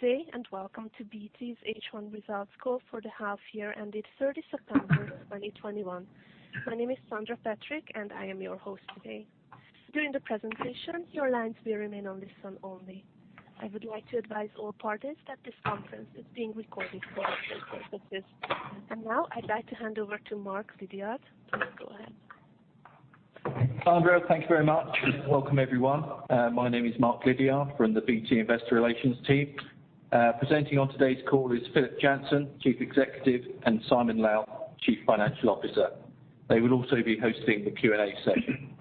Good day, and welcome to BT's H1 results call for the half year ended 30 September 2021. My name is Sandra Patrick, and I am your host today. During the presentation, your lines will remain on listen only. I would like to advise all parties that this conference is being recorded for quality purposes. Now I'd like to hand over to Mark Lidiard. Please go ahead. Sandra, thank you very much. Welcome, everyone. My name is Mark Lidiard from the BT's Investor Relations team. Presenting on today's call is Philip Jansen, Chief Executive, and Simon Lowth, Chief Financial Officer. They will also be hosting the Q&A session.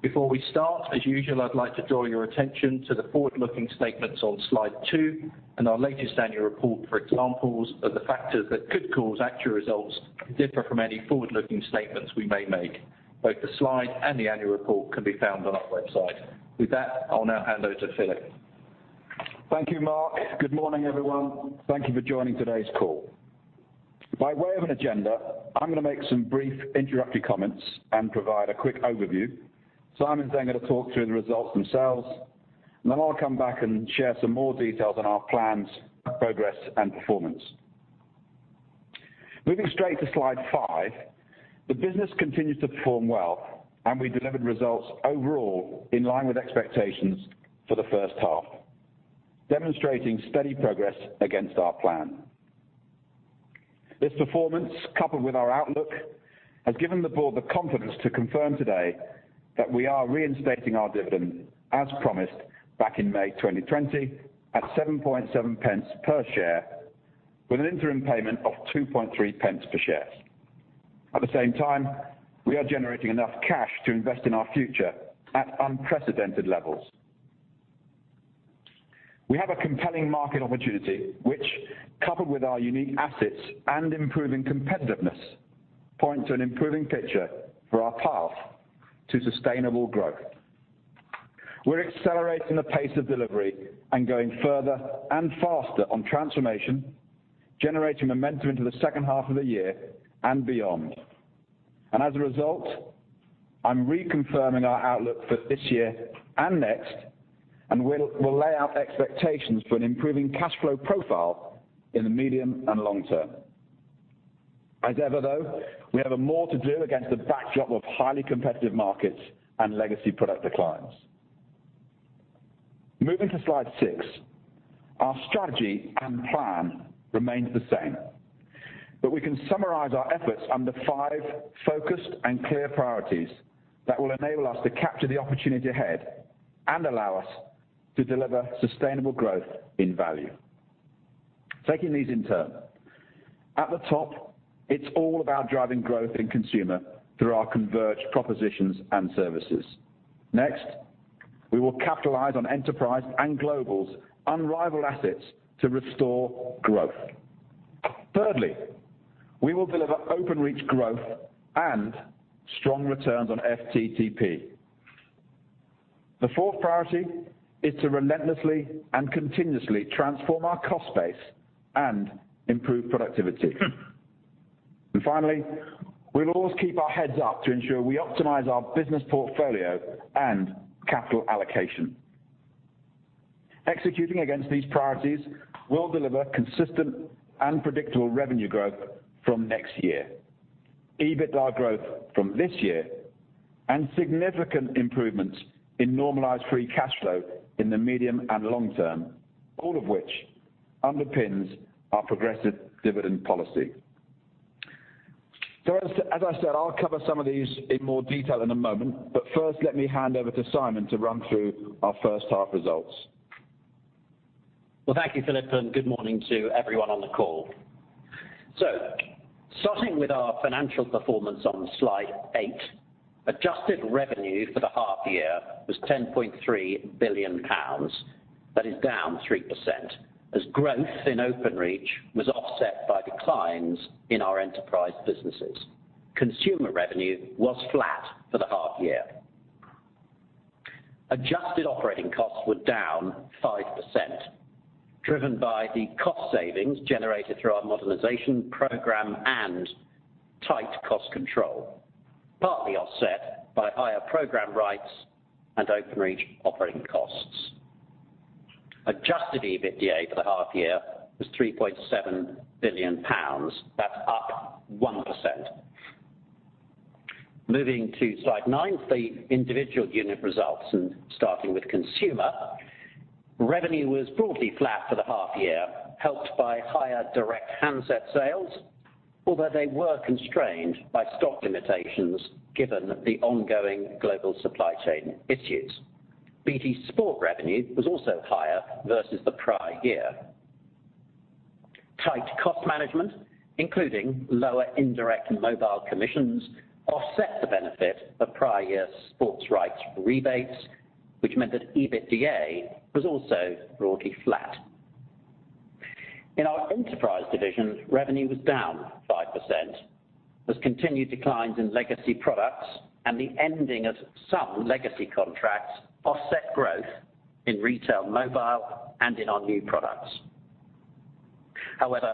Before we start, as usual I'd like to draw your attention to the forward-looking statements on slide two, and our latest annual report for examples of the factors that could cause actual results to differ from any forward-looking statements we may make. Both the slide and the annual report can be found on our website. With that, I'll now hand over to Philip. Thank you, Mark. Good morning, everyone. Thank you for joining today's call. By way of an agenda, I'm gonna make some brief introductory comments and provide a quick overview. Simon's then gonna talk through the results themselves, and then I'll come back and share some more details on our plans, progress, and performance. Moving straight to slide five, the business continues to perform well, and we delivered results overall in line with expectations for the first half, demonstrating steady progress against our plan. This performance, coupled with our outlook, has given the board the confidence to confirm today that we are reinstating our dividend as promised back in May 2020 at 0.077 per share with an interim payment of 0.023 per share. At the same time, we are generating enough cash to invest in our future at unprecedented levels. We have a compelling market opportunity which, coupled with our unique assets and improving competitiveness, point to an improving picture for our path to sustainable growth. We're accelerating the pace of delivery and going further and faster on transformation, generating momentum into the second half of the year and beyond. As a result, I'm reconfirming our outlook for this year and next, and we'll lay out expectations for an improving cash flow profile in the medium and long-term. As ever, though, we have more to do against the backdrop of highly competitive markets and legacy product declines. Moving to slide six, our strategy and plan remains the same, but we can summarize our efforts under five focused and clear priorities that will enable us to capture the opportunity ahead and allow us to deliver sustainable growth in value. Taking these in turn, at the top, it's all about driving growth in Consumer through our converged propositions and services. Next, we will capitalize on Enterprise and Global's unrivaled assets to restore growth. Thirdly, we will deliver Openreach growth and strong returns on FTTP. The fourth priority is to relentlessly and continuously transform our cost base and improve productivity. Finally, we'll always keep our heads up to ensure we optimize our business portfolio and capital allocation. Executing against these priorities will deliver consistent and predictable revenue growth from next year, EBITDA growth from this year, and significant improvements in normalized free cash flow in the medium and long-term, all of which underpins our progressive dividend policy. As I said, I'll cover some of these in more detail in a moment, but first let me hand over to Simon to run through our first half results. Well, thank you, Philip, and good morning to everyone on the call. Starting with our financial performance on slide eight, adjusted revenue for the half year was 10.3 billion pounds. That is down 3% as growth in Openreach was offset by declines in our Enterprise businesses. Consumer revenue was flat for the half year. Adjusted operating costs were down 5%, driven by the cost savings generated through our modernization program and tight cost control, partly offset by higher program rights and Openreach operating costs. Adjusted EBITDA for the half year was 3.7 billion pounds. That's up 1%. Moving to slide nine, the individual unit results, and starting with Consumer, revenue was broadly flat for the half year, helped by higher direct handset sales. Although they were constrained by stock limitations given the ongoing global supply chain issues. BT Sport revenue was also higher versus the prior year. Tight cost management, including lower indirect mobile commissions, offset the benefit of prior year sports rights rebates, which meant that EBITDA was also broadly flat. In our Enterprise division, revenue was down 5% as continued declines in legacy products and the ending of some legacy contracts offset growth in retail mobile and in our new products. However,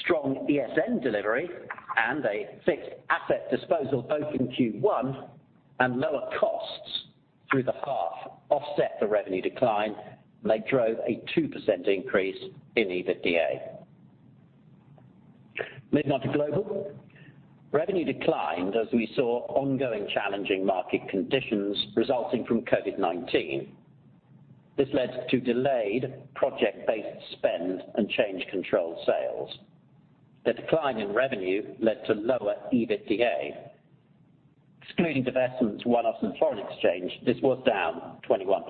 strong ESN delivery and a fixed asset disposal both in Q1 and lower costs through the half offset the revenue decline, and they drove a 2% increase in EBITDA. Moving on to Global. Revenue declined as we saw ongoing challenging market conditions resulting from COVID-19. This led to delayed project-based spend and change control sales. The decline in revenue led to lower EBITDA. Excluding divestments, one-offs, and foreign exchange, this was down 21%.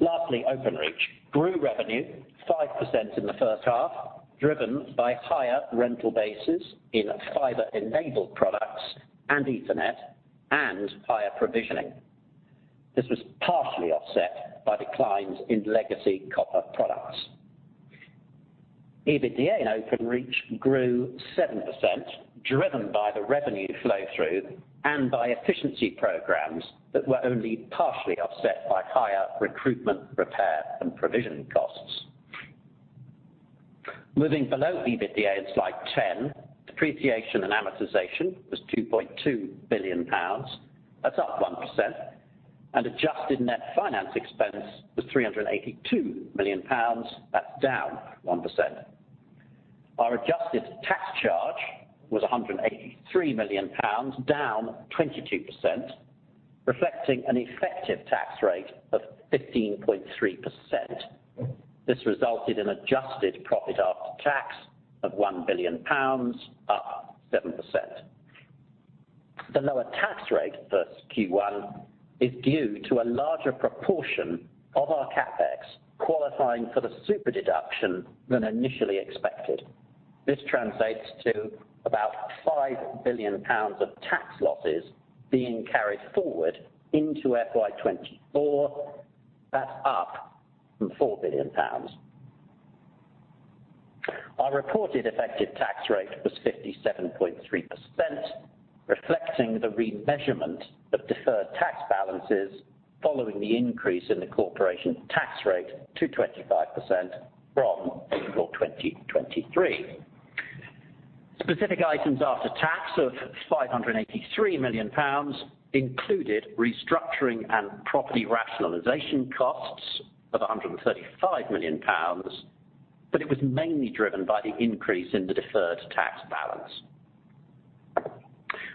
Lastly, Openreach grew revenue 5% in the first half, driven by higher rental bases in fibre-enabled products and Ethernet and higher provisioning. This was partially offset by declines in legacy copper products. EBITDA in Openreach grew 7%, driven by the revenue flow through and by efficiency programs that were only partially offset by higher recruitment, repair, and provisioning costs. Moving below EBITDA in slide 10, depreciation and amortization was 2.2 billion pounds. That's up 1%. Adjusted net finance expense was 382 million pounds. That's down 1%. Our adjusted tax charge was 183 million pounds, down 22%, reflecting an effective tax rate of 15.3%. This resulted in adjusted profit after tax of GBP 1 billion, up 7%. The lower tax rate versus Q1 is due to a larger proportion of our CapEx qualifying for the super-deduction than initially expected. This translates to about 5 billion pounds of tax losses being carried forward into FY 2024. That's up from 4 billion pounds. Our reported effective tax rate was 57.3%, reflecting the remeasurement of deferred tax balances following the increase in the corporation tax rate to 25% from April 2023. Specific items after tax of 583 million pounds included restructuring and property rationalization costs of 135 million pounds, but it was mainly driven by the increase in the deferred tax balance.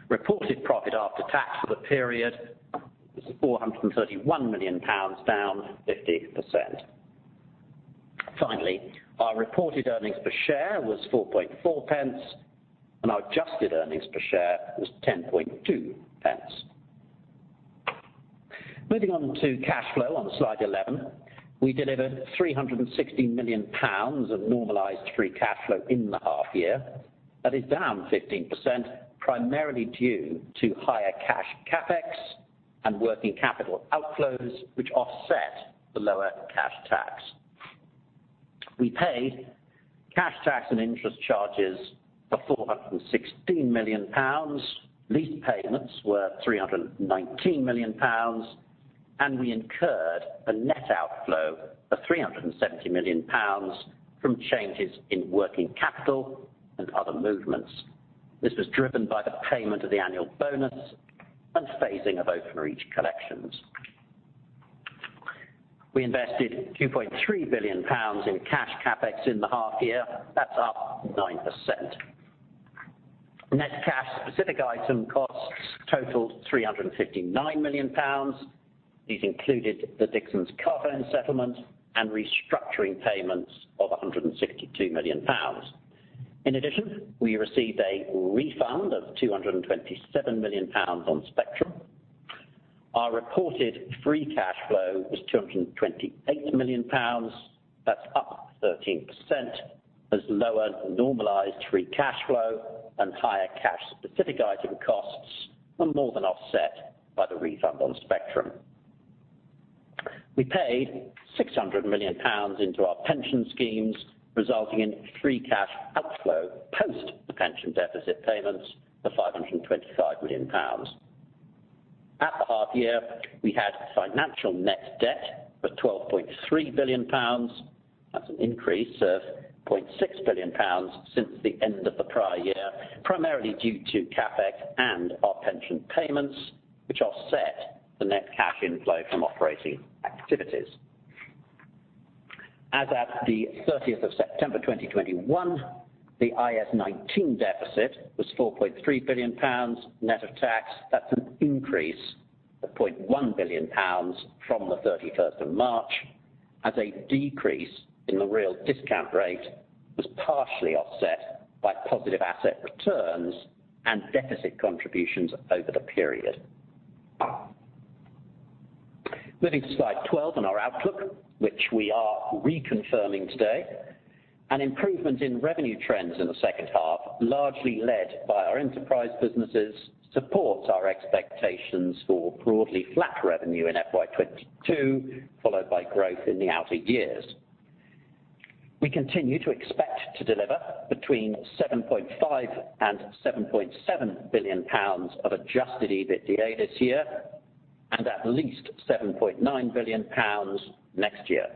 Reported profit after tax for the period was 431 million pounds, down 50%. Finally, our reported earnings per share was 0.044, and our adjusted earnings per share was 0.102. Moving on to cash flow on slide 11. We delivered 360 million pounds of normalized free cash flow in the half year. That is down 15%, primarily due to higher cash CapEx and working capital outflows, which offset the lower cash tax. We paid cash tax and interest charges of 416 million pounds. Lease payments were 319 million pounds, and we incurred a net outflow of 370 million pounds from changes in working capital and other movements. This was driven by the payment of the annual bonus and phasing of Openreach collections. We invested 2.3 billion pounds in cash CapEx in the half year. That's up 9%. Net cash specific item costs totaled 359 million pounds. These included the Dixons Carphone settlement and restructuring payments of 162 million pounds. In addition, we received a refund of 227 million pounds on spectrum. Our reported free cash flow was 228 million pounds. That's up 13% as lower normalized free cash flow and higher cash specific item costs were more than offset by the refund on spectrum. We paid 600 million pounds into our Pension Schemes, resulting in free cash outflow post the pension deficit payments of 525 million pounds. At the half year, we had financial net debt of 12.3 billion pounds. That's an increase of 0.6 billion pounds since the end of the prior year, primarily due to CapEx and our pension payments, which offset the net cash inflow from operating activities. As at the 30th of September 2021, the IAS 19 deficit was 4.3 billion pounds, net of tax. That's an increase of 0.1 billion pounds from the 31st of March as a decrease in the real discount rate was partially offset by positive asset returns and deficit contributions over the period. Moving to slide 12 on our outlook, which we are reconfirming today. An improvement in revenue trends in the second half, largely led by our Enterprise businesses, supports our expectations for broadly flat revenue in FY 2022, followed by growth in the outer years. We continue to expect to deliver between 7.5 billion and 7.7 billion pounds of adjusted EBITDA this year. At least 7.9 billion pounds next year.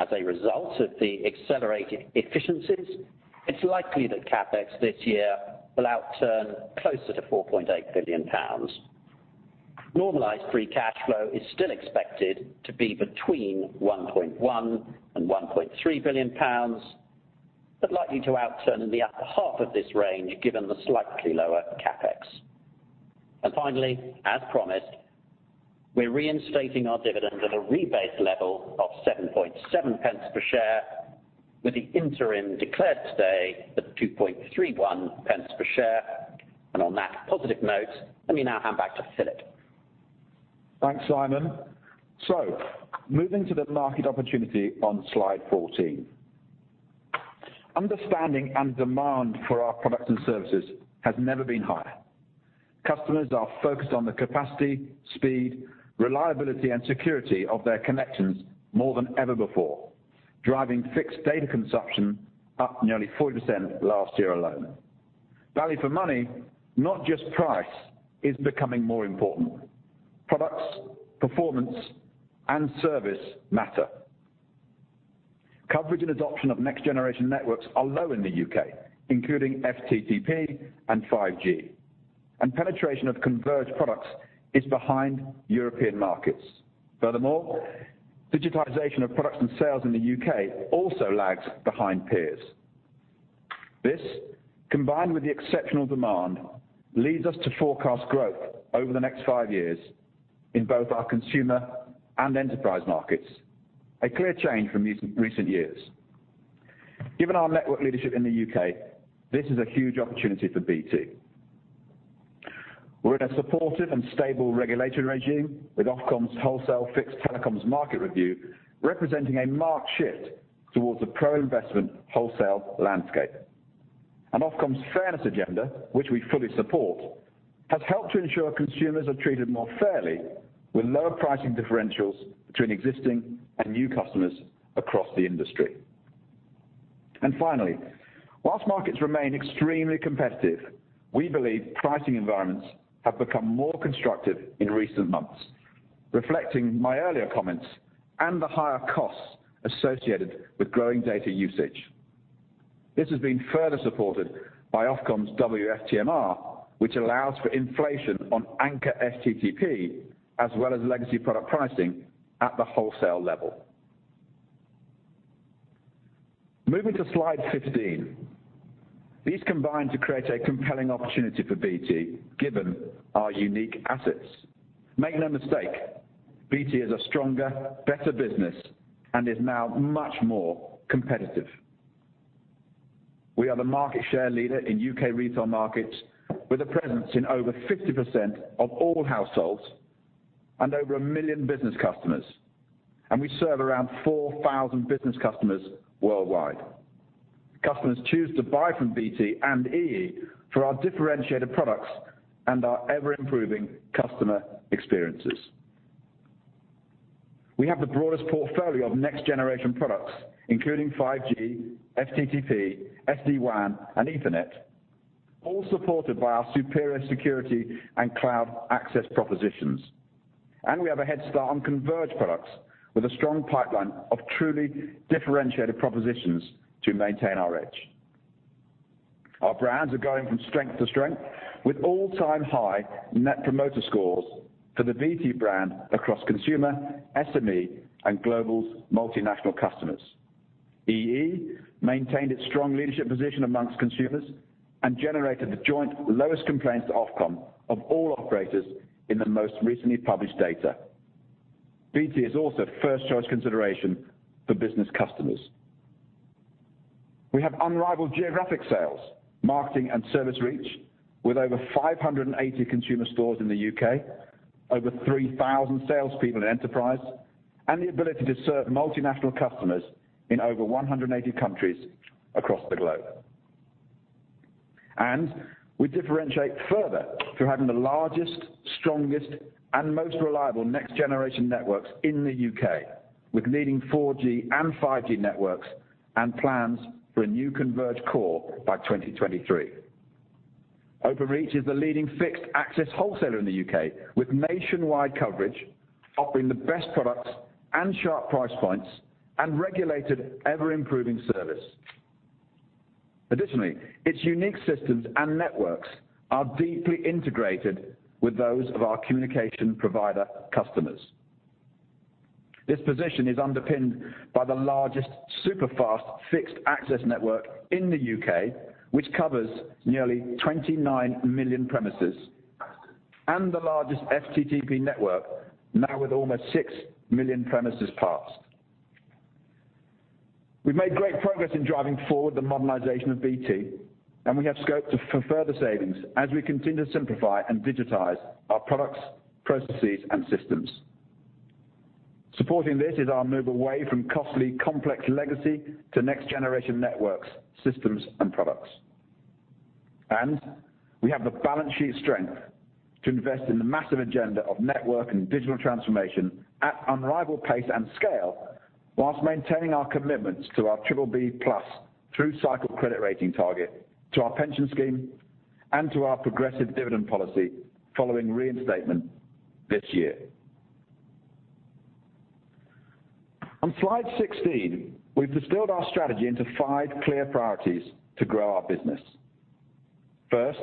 As a result of the accelerated efficiencies, it's likely that CapEx this year will outturn closer to 4.8 billion pounds. Normalized free cash flow is still expected to be between 1.1 billion and 1.3 billion pounds, but likely to outturn in the upper half of this range given the slightly lower CapEx. Finally, as promised, we're reinstating our dividend at a rebased level of 0.077 per share, with the interim declared today at 0.0231 per share. On that positive note, let me now hand back to Philip. Thanks, Simon. Moving to the market opportunity on slide 14. Understanding and demand for our products and services has never been higher. Customers are focused on the capacity, speed, reliability, and security of their connections more than ever before, driving fixed data consumption up nearly 40% last year alone. Value for money, not just price, is becoming more important. Products, performance, and service matter. Coverage and adoption of next-generation networks are low in the U.K., including FTTP and 5G, and penetration of converged products is behind European markets. Furthermore, digitization of products and sales in the U.K. Also lags behind peers. This, combined with the exceptional demand, leads us to forecast growth over the next five years in both our Consumer and Enterprise markets, a clear change from recent years. Given our network leadership in the U.K., this is a huge opportunity for BT. We're in a supportive and stable regulatory regime, with Ofcom's Wholesale Fixed Telecoms Market Review representing a marked shift towards a pro-investment wholesale landscape. Ofcom's Fairness agenda, which we fully support, has helped to ensure consumers are treated more fairly with lower pricing differentials between existing and new customers across the industry. Finally, while markets remain extremely competitive, we believe pricing environments have become more constructive in recent months, reflecting my earlier comments and the higher costs associated with growing data usage. This has been further supported by Ofcom's WFTMR, which allows for inflation on anchor FTTP as well as legacy product pricing at the wholesale level. Moving to slide 15. These combine to create a compelling opportunity for BT, given our unique assets. Make no mistake, BT is a stronger, better business and is now much more competitive. We are the market share leader in U.K. Retail markets with a presence in over 50% of all households and over 1 million business customers. We serve around 4,000 business customers worldwide. Customers choose to buy from BT and EE for our differentiated products and our ever-improving customer experiences. We have the broadest portfolio of next-generation products, including 5G, FTTP, SD-WAN, and Ethernet, all supported by our superior security and cloud access propositions. We have a head start on converged products with a strong pipeline of truly differentiated propositions to maintain our edge. Our brands are going from strength to strength with all-time high net promoter scores for the BT brand across Consumer, SME, and Global's multinational customers. EE maintained its strong leadership position amongst consumers and generated the joint lowest complaints to Ofcom of all operators in the most recently published data. BT is also first-choice consideration for business customers. We have unrivaled geographic sales, marketing, and service reach with over 580 consumer stores in the U.K., over 3,000 salespeople in Enterprise, and the ability to serve multinational customers in over 180 countries across the globe. We differentiate further through having the largest, strongest, and most reliable next-generation networks in the U.K. with leading 4G and 5G networks and plans for a new converged core by 2023. Openreach is the leading fixed access wholesaler in the U.K. with nationwide coverage, offering the best products and sharp price points and regulated, ever-improving service. Additionally, its unique systems and networks are deeply integrated with those of our communication provider customers. This position is underpinned by the largest super-fast fixed access network in the U.K., which covers nearly 29 million premises, and the largest FTTP network, now with almost 6 million premises passed. We've made great progress in driving forward the modernization of BT, and we have scope for further savings as we continue to simplify and digitize our products, processes, and systems. Supporting this is our move away from costly, complex legacy to next-generation networks, systems, and products. We have the balance sheet strength to invest in the massive agenda of network and digital transformation at unrivaled pace and scale, while maintaining our commitments to our BBB+ through cycle credit rating target to our Pension Scheme and to our progressive dividend policy following reinstatement this year. On slide 16, we've distilled our strategy into five clear priorities to grow our business. First,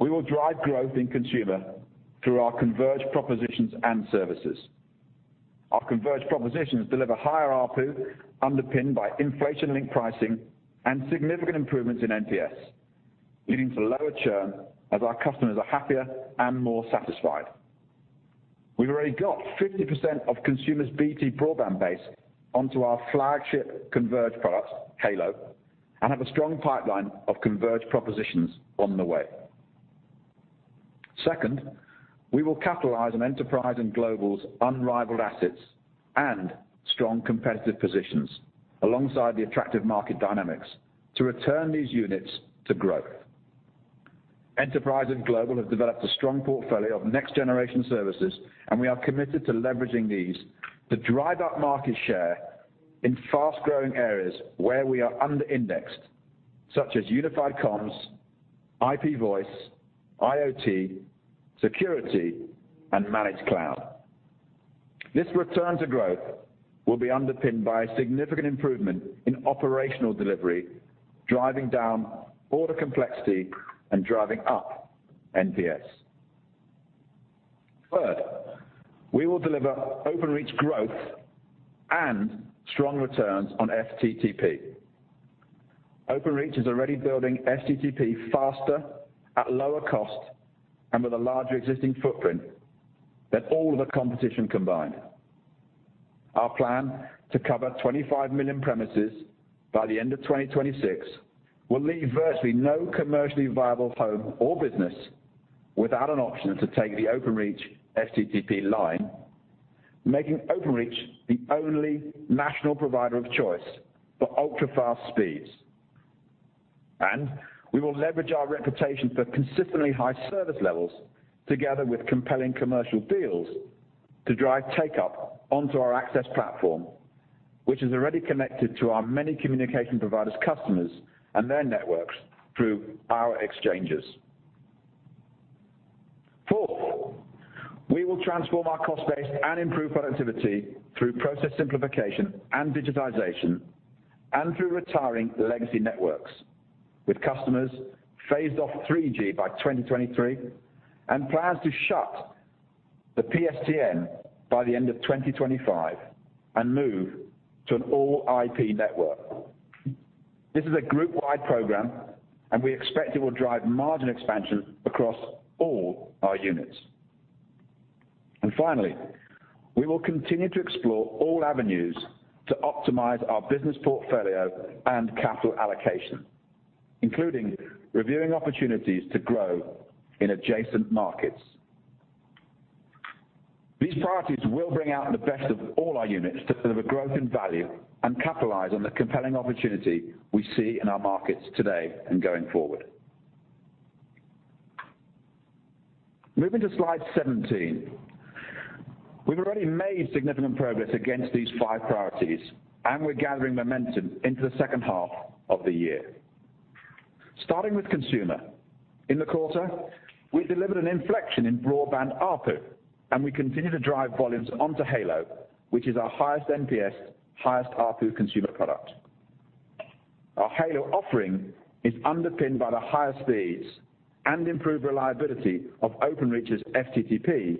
we will drive growth in Consumer through our converged propositions and services. Our converged propositions deliver higher ARPU underpinned by inflation-linked pricing and significant improvements in NPS, leading to lower churn as our customers are happier and more satisfied. We've already got 50% of Consumer's BT broadband base onto our flagship converged products, Halo, and have a strong pipeline of converged propositions on the way. Second, we will capitalize on Enterprise and Global's unrivaled assets and strong competitive positions alongside the attractive market dynamics to return these units to growth. Enterprise and Global have developed a strong portfolio of next-generation services, and we are committed to leveraging these to drive up market share in fast-growing areas where we are under-indexed, such as Unified Comms, IP Voice, IoT, Security, and Managed Cloud. This return to growth will be underpinned by a significant improvement in operational delivery, driving down order complexity and driving up NPS. Third, we will deliver Openreach growth and strong returns on FTTP. Openreach is already building FTTP faster, at lower cost, and with a larger existing footprint than all of the competition combined. Our plan to cover 25 million premises by the end of 2026 will leave virtually no commercially viable home or business without an option to take the Openreach FTTP line, making Openreach the only national provider of choice for ultra-fast speeds. We will leverage our reputation for consistently high service levels together with compelling commercial deals to drive take-up onto our access platform, which is already connected to our many communication providers' customers and their networks through our exchanges. Fourth, we will transform our cost base and improve productivity through process simplification and digitization, and through retiring legacy networks with customers phased off 3G by 2023 and plans to shut the PSTN by the end of 2025 and move to an all-IP network. This is a group-wide program and we expect it will drive margin expansion across all our units. Finally, we will continue to explore all avenues to optimize our business portfolio and capital allocation, including reviewing opportunities to grow in adjacent markets. These priorities will bring out the best of all our units to deliver growth and value and capitalize on the compelling opportunity we see in our markets today and going forward. Moving to slide 17. We've already made significant progress against these five priorities, and we're gathering momentum into the second half of the year. Starting with Consumer. In the quarter, we delivered an inflection in broadband ARPU, and we continue to drive volumes onto Halo, which is our highest NPS, highest ARPU consumer product. Our Halo offering is underpinned by the higher speeds and improved reliability of Openreach's FTTP,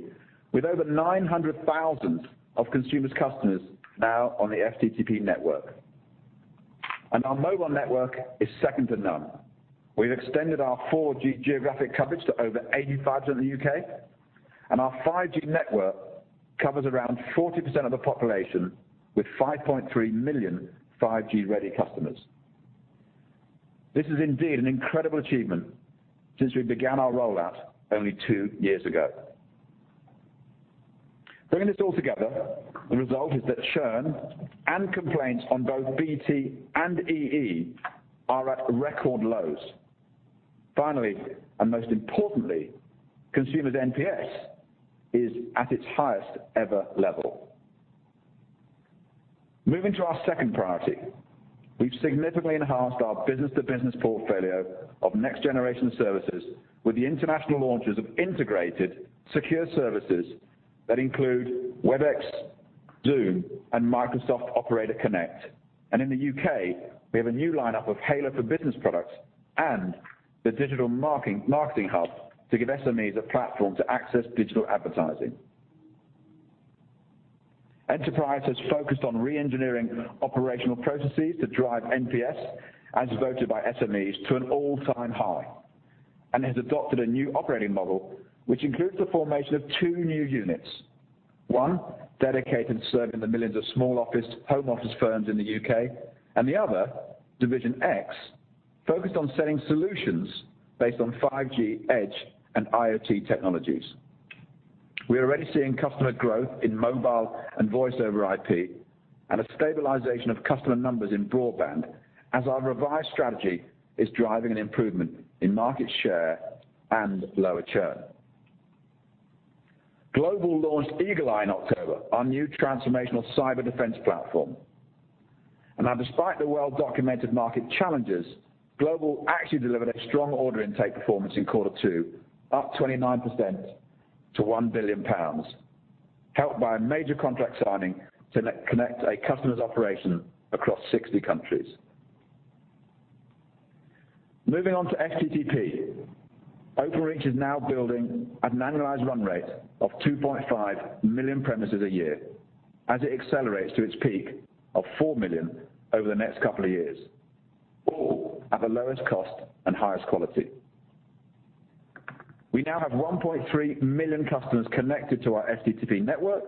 with over 900,000 Consumer customers now on the FTTP network. Our mobile network is second to none. We've extended our 4G geographic coverage to over 85% of the U.K., and our 5G network covers around 40% of the population with 5.3 million 5G-ready customers. This is indeed an incredible achievement since we began our rollout only two years ago. Bringing this all together, the result is that churn and complaints on both BT and EE are at record lows. Finally, and most importantly, Consumer's NPS is at its highest ever level. Moving to our second priority, we've significantly enhanced our business-to-business portfolio of next-generation services with the international launches of integrated secure services that include Webex, Zoom, and Microsoft Operator Connect. In the U.K., we have a new lineup of Halo for business products and the Digital Marketing Hub to give SMEs a platform to access digital advertising. Enterprise has focused on re-engineering operational processes to drive NPS as voted by SMEs to an all-time high and has adopted a new operating model, which includes the formation of two new units. One dedicated to serving the millions of small office, home office firms in the U.K., And the other, Division X, focused on selling solutions based on 5G Edge and IoT technologies. We're already seeing customer growth in mobile and voice over IP and a stabilization of customer numbers in broadband as our revised strategy is driving an improvement in market share and lower churn. Global launched Eagle-i in October, our new transformational cyber defense platform. Now despite the well-documented market challenges, Global actually delivered a strong order intake performance in quarter two, up 29% to 1 billion pounds, helped by a major contract signing to interconnect a customer's operation across 60 countries. Moving on to FTTP. Openreach is now building at an annualized run rate of 2.5 million premises a year as it accelerates to its peak of 4 million over the next couple of years, all at the lowest cost and highest quality. We now have 1.3 million customers connected to our FTTP network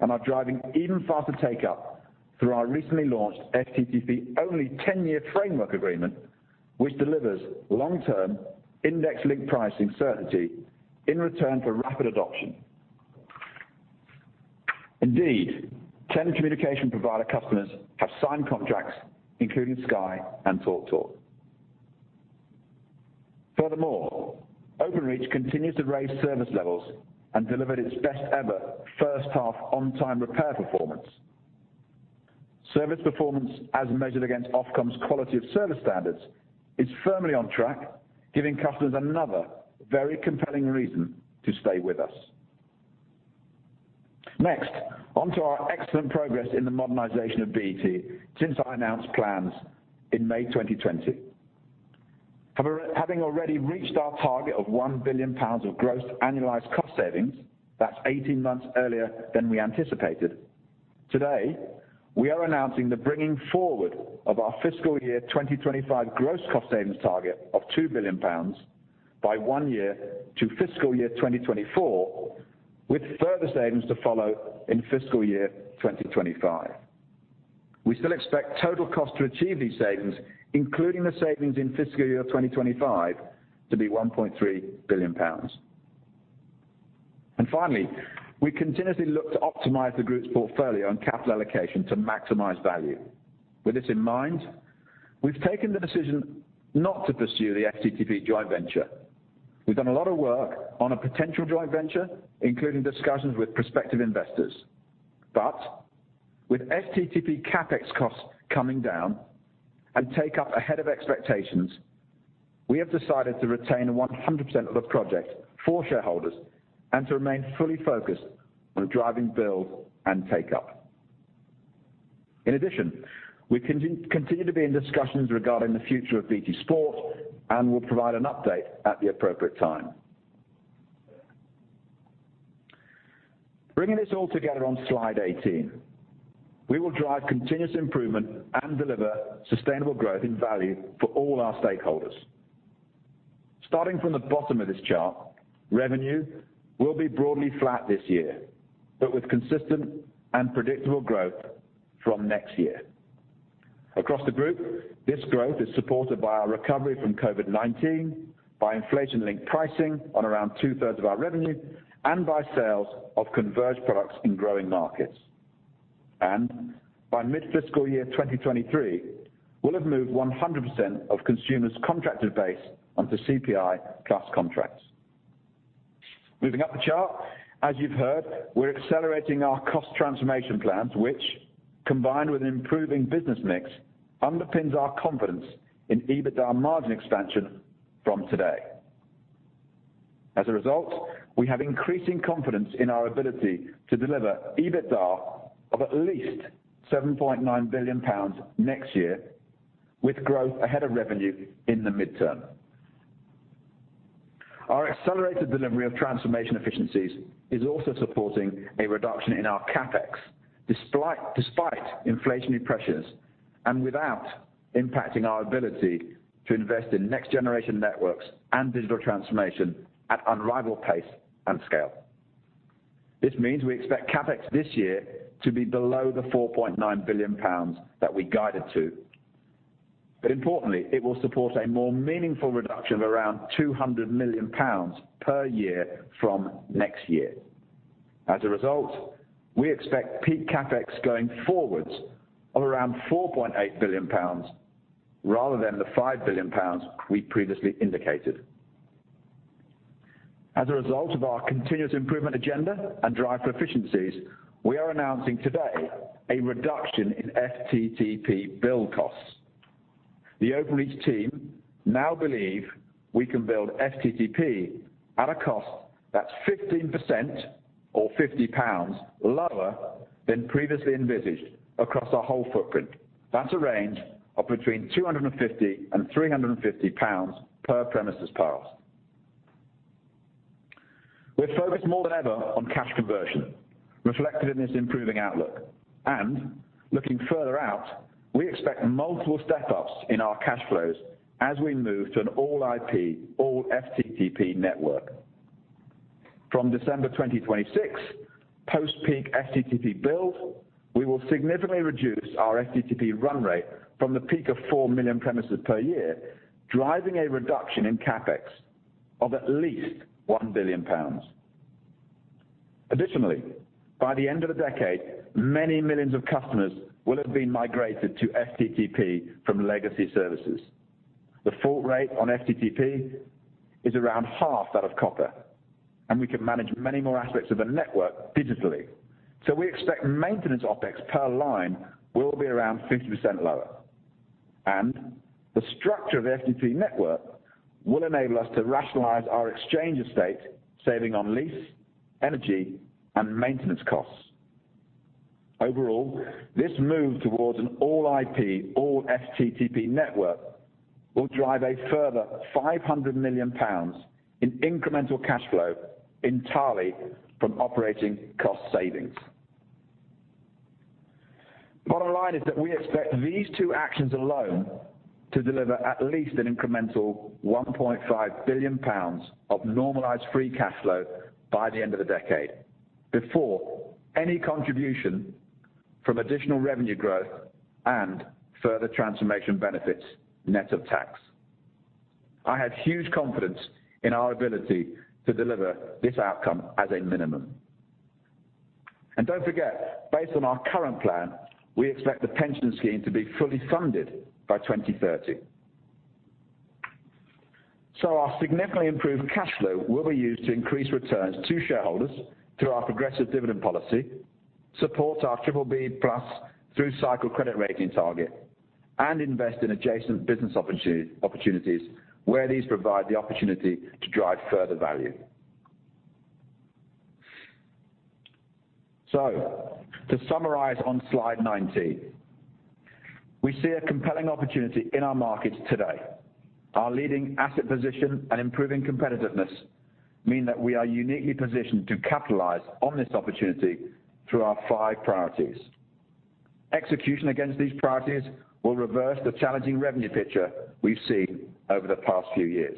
and are driving even faster take-up through our recently launched FTTP-only 10-year framework agreement, which delivers long-term index link pricing certainty in return for rapid adoption. Indeed, 10 communication provider customers have signed contracts, including Sky and TalkTalk. Furthermore, Openreach continues to raise service levels and delivered its best ever first half on time repair performance. Service performance, as measured against Ofcom's Quality of Service standards, is firmly on track, giving customers another very compelling reason to stay with us. Next, on to our excellent progress in the modernization of BT since I announced plans in May 2020. Having already reached our target of 1 billion pounds of gross annualized cost savings, that's 18 months earlier than we anticipated, today we are announcing the bringing forward of our fiscal year 2025 gross cost savings target of 2 billion pounds by one year to fiscal year 2024, with further savings to follow in fiscal year 2025. We still expect total cost to achieve these savings, including the savings in fiscal year 2025, to be 1.3 billion pounds. Finally, we continuously look to optimize the group's portfolio and capital allocation to maximize value. With this in mind, we've taken the decision not to pursue the FTTP joint venture. We've done a lot of work on a potential joint venture, including discussions with prospective investors. With FTTP CapEx costs coming down and take-up ahead of expectations, we have decided to retain 100% of the project for shareholders and to remain fully focused on driving build and take-up. In addition, we continue to be in discussions regarding the future of BT Sport and will provide an update at the appropriate time. Bringing this all together on slide 18. We will drive continuous improvement and deliver sustainable growth and value for all our stakeholders. Starting from the bottom of this chart, revenue will be broadly flat this year, but with consistent and predictable growth from next year. Across the group, this growth is supported by our recovery from COVID-19, by inflation-linked pricing on around two-thirds of our revenue, and by sales of converged products in growing markets. By mid-fiscal year 2023, we'll have moved 100% of consumers' contracted base onto CPI plus contracts. Moving up the chart, as you've heard, we're accelerating our cost transformation plans, which, combined with an improving business mix, underpins our confidence in EBITDA margin expansion from today. As a result, we have increasing confidence in our ability to deliver EBITDA of at least 7.9 billion pounds next year, with growth ahead of revenue in the mid-term. Our accelerated delivery of transformation efficiencies is also supporting a reduction in our CapEx, despite inflationary pressures and without impacting our ability to invest in next-generation networks and digital transformation at unrivaled pace and scale. This means we expect CapEx this year to be below the 4.9 billion pounds that we guided to. Importantly, it will support a more meaningful reduction of around 200 million pounds per year from next year. As a result, we expect peak CapEx going forwards of around 4.8 billion pounds, rather than the 5 billion pounds we previously indicated. As a result of our continuous improvement agenda and drive for efficiencies, we are announcing today a reduction in FTTP build costs. The Openreach team now believe we can build FTTP at a cost that's 15% or 50 pounds lower than previously envisaged across our whole footprint. That's a range of between 250 and 350 pounds per premises passed. We're focused more than ever on cash conversion, reflected in this improving outlook. Looking further out, we expect multiple step-ups in our cash flows as we move to an all-IP, all FTTP network. From December 2026, post-peak FTTP build, we will significantly reduce our FTTP run rate from the peak of 4 million premises per year, driving a reduction in CapEx of at least 1 billion pounds. Additionally, by the end of the decade, many millions of customers will have been migrated to FTTP from legacy services. The fault rate on FTTP is around half that of copper, and we can manage many more aspects of the network digitally. We expect maintenance OpEx per line will be around 50% lower. The structure of FTTP network will enable us to rationalize our exchange estate, saving on lease, energy, and maintenance costs. Overall, this move towards an all-IP, all FTTP network will drive a further 500 million pounds in incremental cash flow entirely from operating cost savings. Bottom line is that we expect these two actions alone to deliver at least an incremental 1.5 billion pounds of normalized free cash flow by the end of the decade, before any contribution from additional revenue growth and further transformation benefits, net of tax. I have huge confidence in our ability to deliver this outcome as a minimum. Don't forget, based on our current plan, we expect the Pension Scheme to be fully funded by 2030. Our significantly improved cash flow will be used to increase returns to shareholders through our progressive dividend policy, support our BBB+ through-cycle credit rating target, and invest in adjacent business opportunities where these provide the opportunity to drive further value. To summarize on slide 19, we see a compelling opportunity in our markets today. Our leading asset position and improving competitiveness mean that we are uniquely positioned to capitalize on this opportunity through our five priorities. Execution against these priorities will reverse the challenging revenue picture we've seen over the past few years.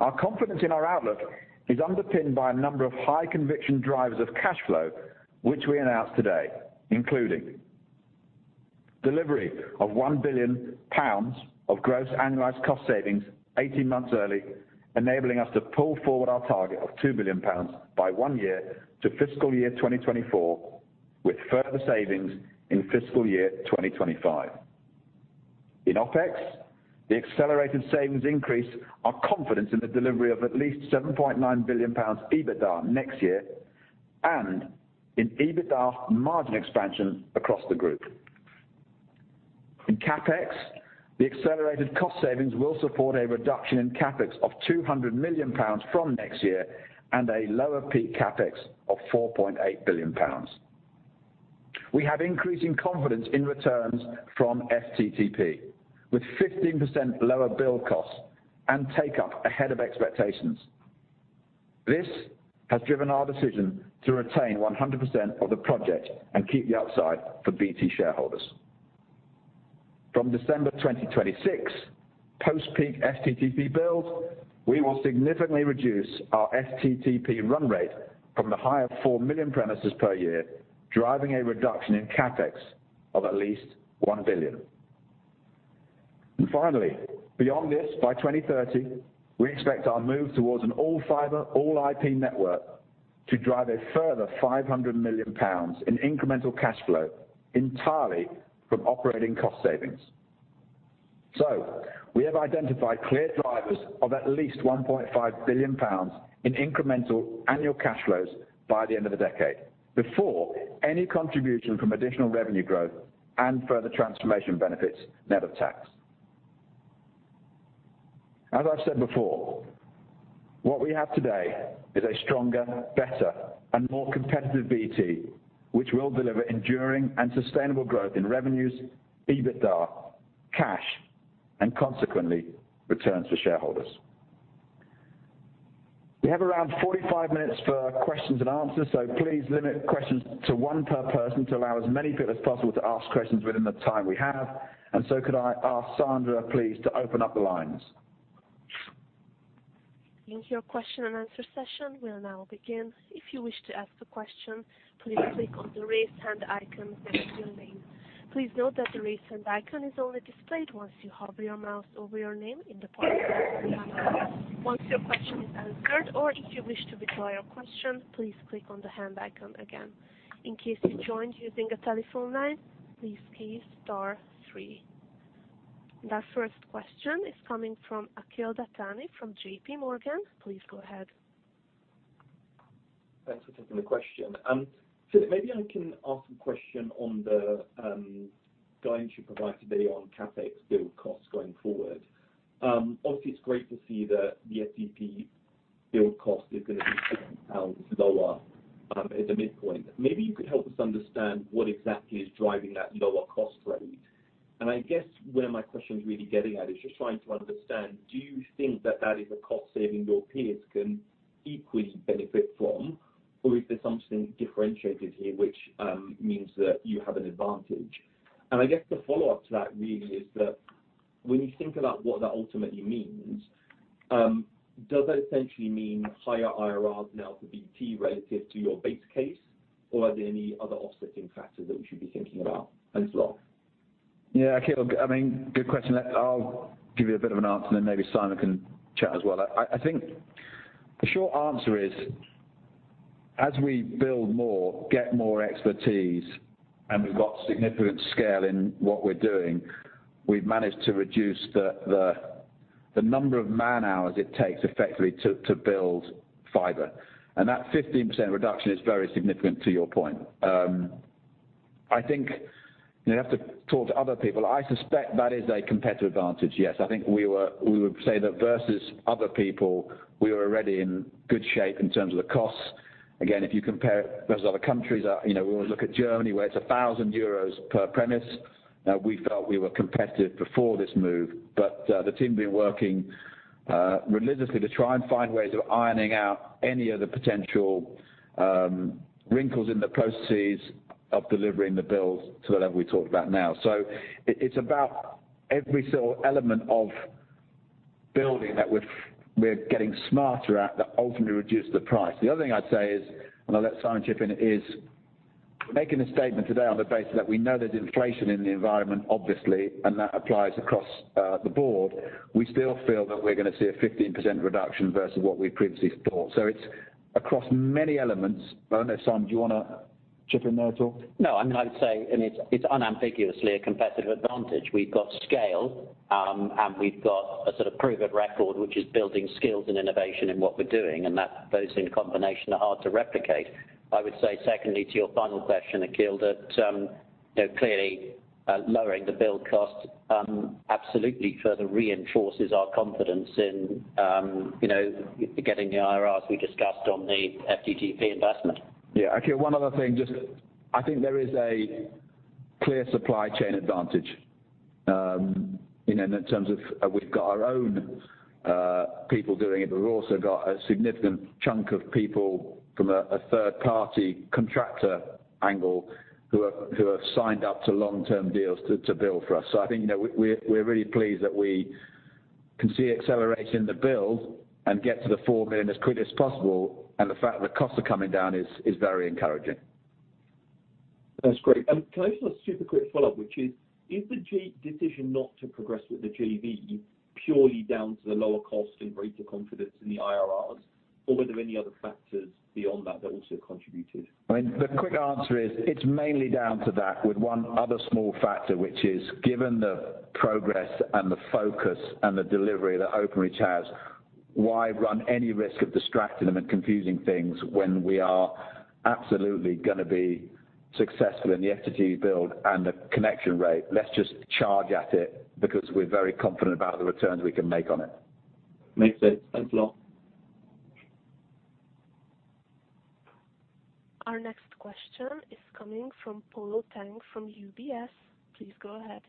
Our confidence in our outlook is underpinned by a number of high conviction drivers of cash flow, which we announced today, including delivery of 1 billion pounds of gross annualized cost savings 18 months early, enabling us to pull forward our target of 2 billion pounds by one year to fiscal year 2024, with further savings in fiscal year 2025. In OpEx, the accelerated savings increase our confidence in the delivery of at least 7.9 billion pounds EBITDA next year and in EBITDA margin expansion across the group. In CapEx, the accelerated cost savings will support a reduction in CapEx of 200 million pounds from next year and a lower peak CapEx of 4.8 billion pounds. We have increasing confidence in returns from FTTP, with 15% lower build costs and take-up ahead of expectations. This has driven our decision to retain 100% of the project and keep the upside for BT shareholders. From December 2026, post-peak FTTP build, we will significantly reduce our FTTP run rate from the high of 4 million premises per year, driving a reduction in CapEx of at least 1 billion. Finally, beyond this, by 2030, we expect our move towards an all-fibre, all-IP network to drive a further 500 million pounds in incremental cash flow entirely from operating cost savings. We have identified clear drivers of at least 1.5 billion pounds in incremental annual cash flows by the end of the decade, before any contribution from additional revenue growth and further transformation benefits net of tax. As I've said before, what we have today is a stronger, better, and more competitive BT, which will deliver enduring and sustainable growth in revenues, EBITDA, cash and consequently, returns to shareholders. We have around 45 minutes for questions and answers, so please limit questions to one per person to allow as many people as possible to ask questions within the time we have. Could I ask Sandra, please, to open up the lines? Your question and answer session will now begin. If you wish to ask a question, please click on the Raise Hand icon next to your name. Please note that the Raise Hand icon is only displayed once you hover your mouse over your name in the Participants panel. Once your question is answered or if you wish to withdraw your question, please click on the Hand icon again. In case you joined using a telephone line, please key star three. The first question is coming from Akhil Dattani from JPMorgan. Please go ahead. Thanks for taking the question. Maybe I can ask a question on the guidance you provided today on CapEx build costs going forward. Obviously, it's great to see that the FTTP build cost is gonna be lower at the midpoint. Maybe you could help us understand what exactly is driving that lower cost rate. I guess where my question is really getting at is just trying to understand, do you think that that is a cost saving your peers can equally benefit from, or is there something differentiated here which means that you have an advantage? I guess the follow-up to that really is that when you think about what that ultimately means, does that essentially mean higher IRRs now for BT relative to your base case, or are there any other offsetting factors that we should be thinking about? It's long. Yeah. Akhil, I mean, good question. I'll give you a bit of an answer, and then maybe Simon can chat as well. I think the short answer is. As we build more, get more expertise, and we've got significant scale in what we're doing, we've managed to reduce the number of man-hours it takes effectively to build fibre. And that 15% reduction is very significant to your point. I think you'd have to talk to other people. I suspect that is a competitive advantage, yes. I think we would say that versus other people, we were already in good shape in terms of the cost. Again, if you compare it versus other countries, you know, we'll look at Germany, where it's 1,000 euros per premise. We felt we were competitive before this move, but the team have been working religiously to try and find ways of ironing out any of the potential wrinkles in the processes of delivering the builds to the level we talked about now. It's about every single element of building that we're getting smarter at that ultimately reduces the price. The other thing I'd say is, and I'll let Simon chip in, is we're making a statement today on the basis that we know there's inflation in the environment, obviously, and that applies across the board. We still feel that we're gonna see a 15% reduction versus what we previously thought. It's across many elements. I don't know, Simon, do you wanna chip in there at all? No, I mean, I would say, and it's unambiguously a competitive advantage. We've got scale, and we've got a sort of proven record, which is building skills and innovation in what we're doing, and that, those in combination are hard to replicate. I would say secondly to your final question, Akhil, that, you know, clearly, lowering the build cost, absolutely further reinforces our confidence in, you know, getting the IRRs we discussed on the FTTP investment. Yeah. Akhil, one other thing, just I think there is a clear supply chain advantage, you know, in terms of we've got our own people doing it, but we've also got a significant chunk of people from a third-party contractor angle who have signed up to long-term deals to build for us. I think, you know, we're really pleased that we can see acceleration in the build and get to the 4 million as quickly as possible, and the fact that costs are coming down is very encouraging. That's great. Can I ask you a super quick follow-up, which is the decision not to progress with the JV purely down to the lower cost and greater confidence in the IRRs, or were there any other factors beyond that also contributed? I mean, the quick answer is it's mainly down to that with one other small factor, which is, given the progress and the focus and the delivery that Openreach has, why run any risk of distracting them and confusing things when we are absolutely gonna be successful in the FTTP build and the connection rate? Let's just charge at it because we're very confident about the returns we can make on it. Makes sense. Thanks a lot. Our next question is coming from Polo Tang from UBS. Please go ahead.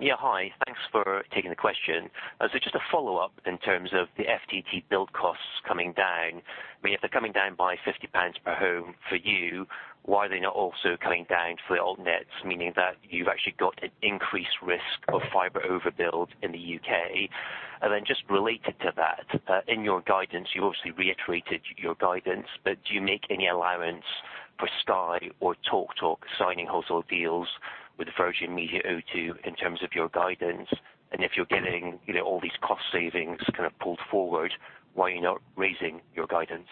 Yeah. Hi. Thanks for taking the question. Just a follow-up in terms of the FTTP build costs coming down. I mean, if they're coming down by 50 pounds per home for you, why are they not also coming down for the alt nets, meaning that you've actually got an increased risk of fibre overbuild in the U.K.? Just related to that, in your guidance, you obviously reiterated your guidance, but do you make any allowance for Sky or TalkTalk signing wholesale deals with Virgin Media O2 in terms of your guidance? If you're getting, you know, all these cost savings kind of pulled forward, why are you not raising your guidance?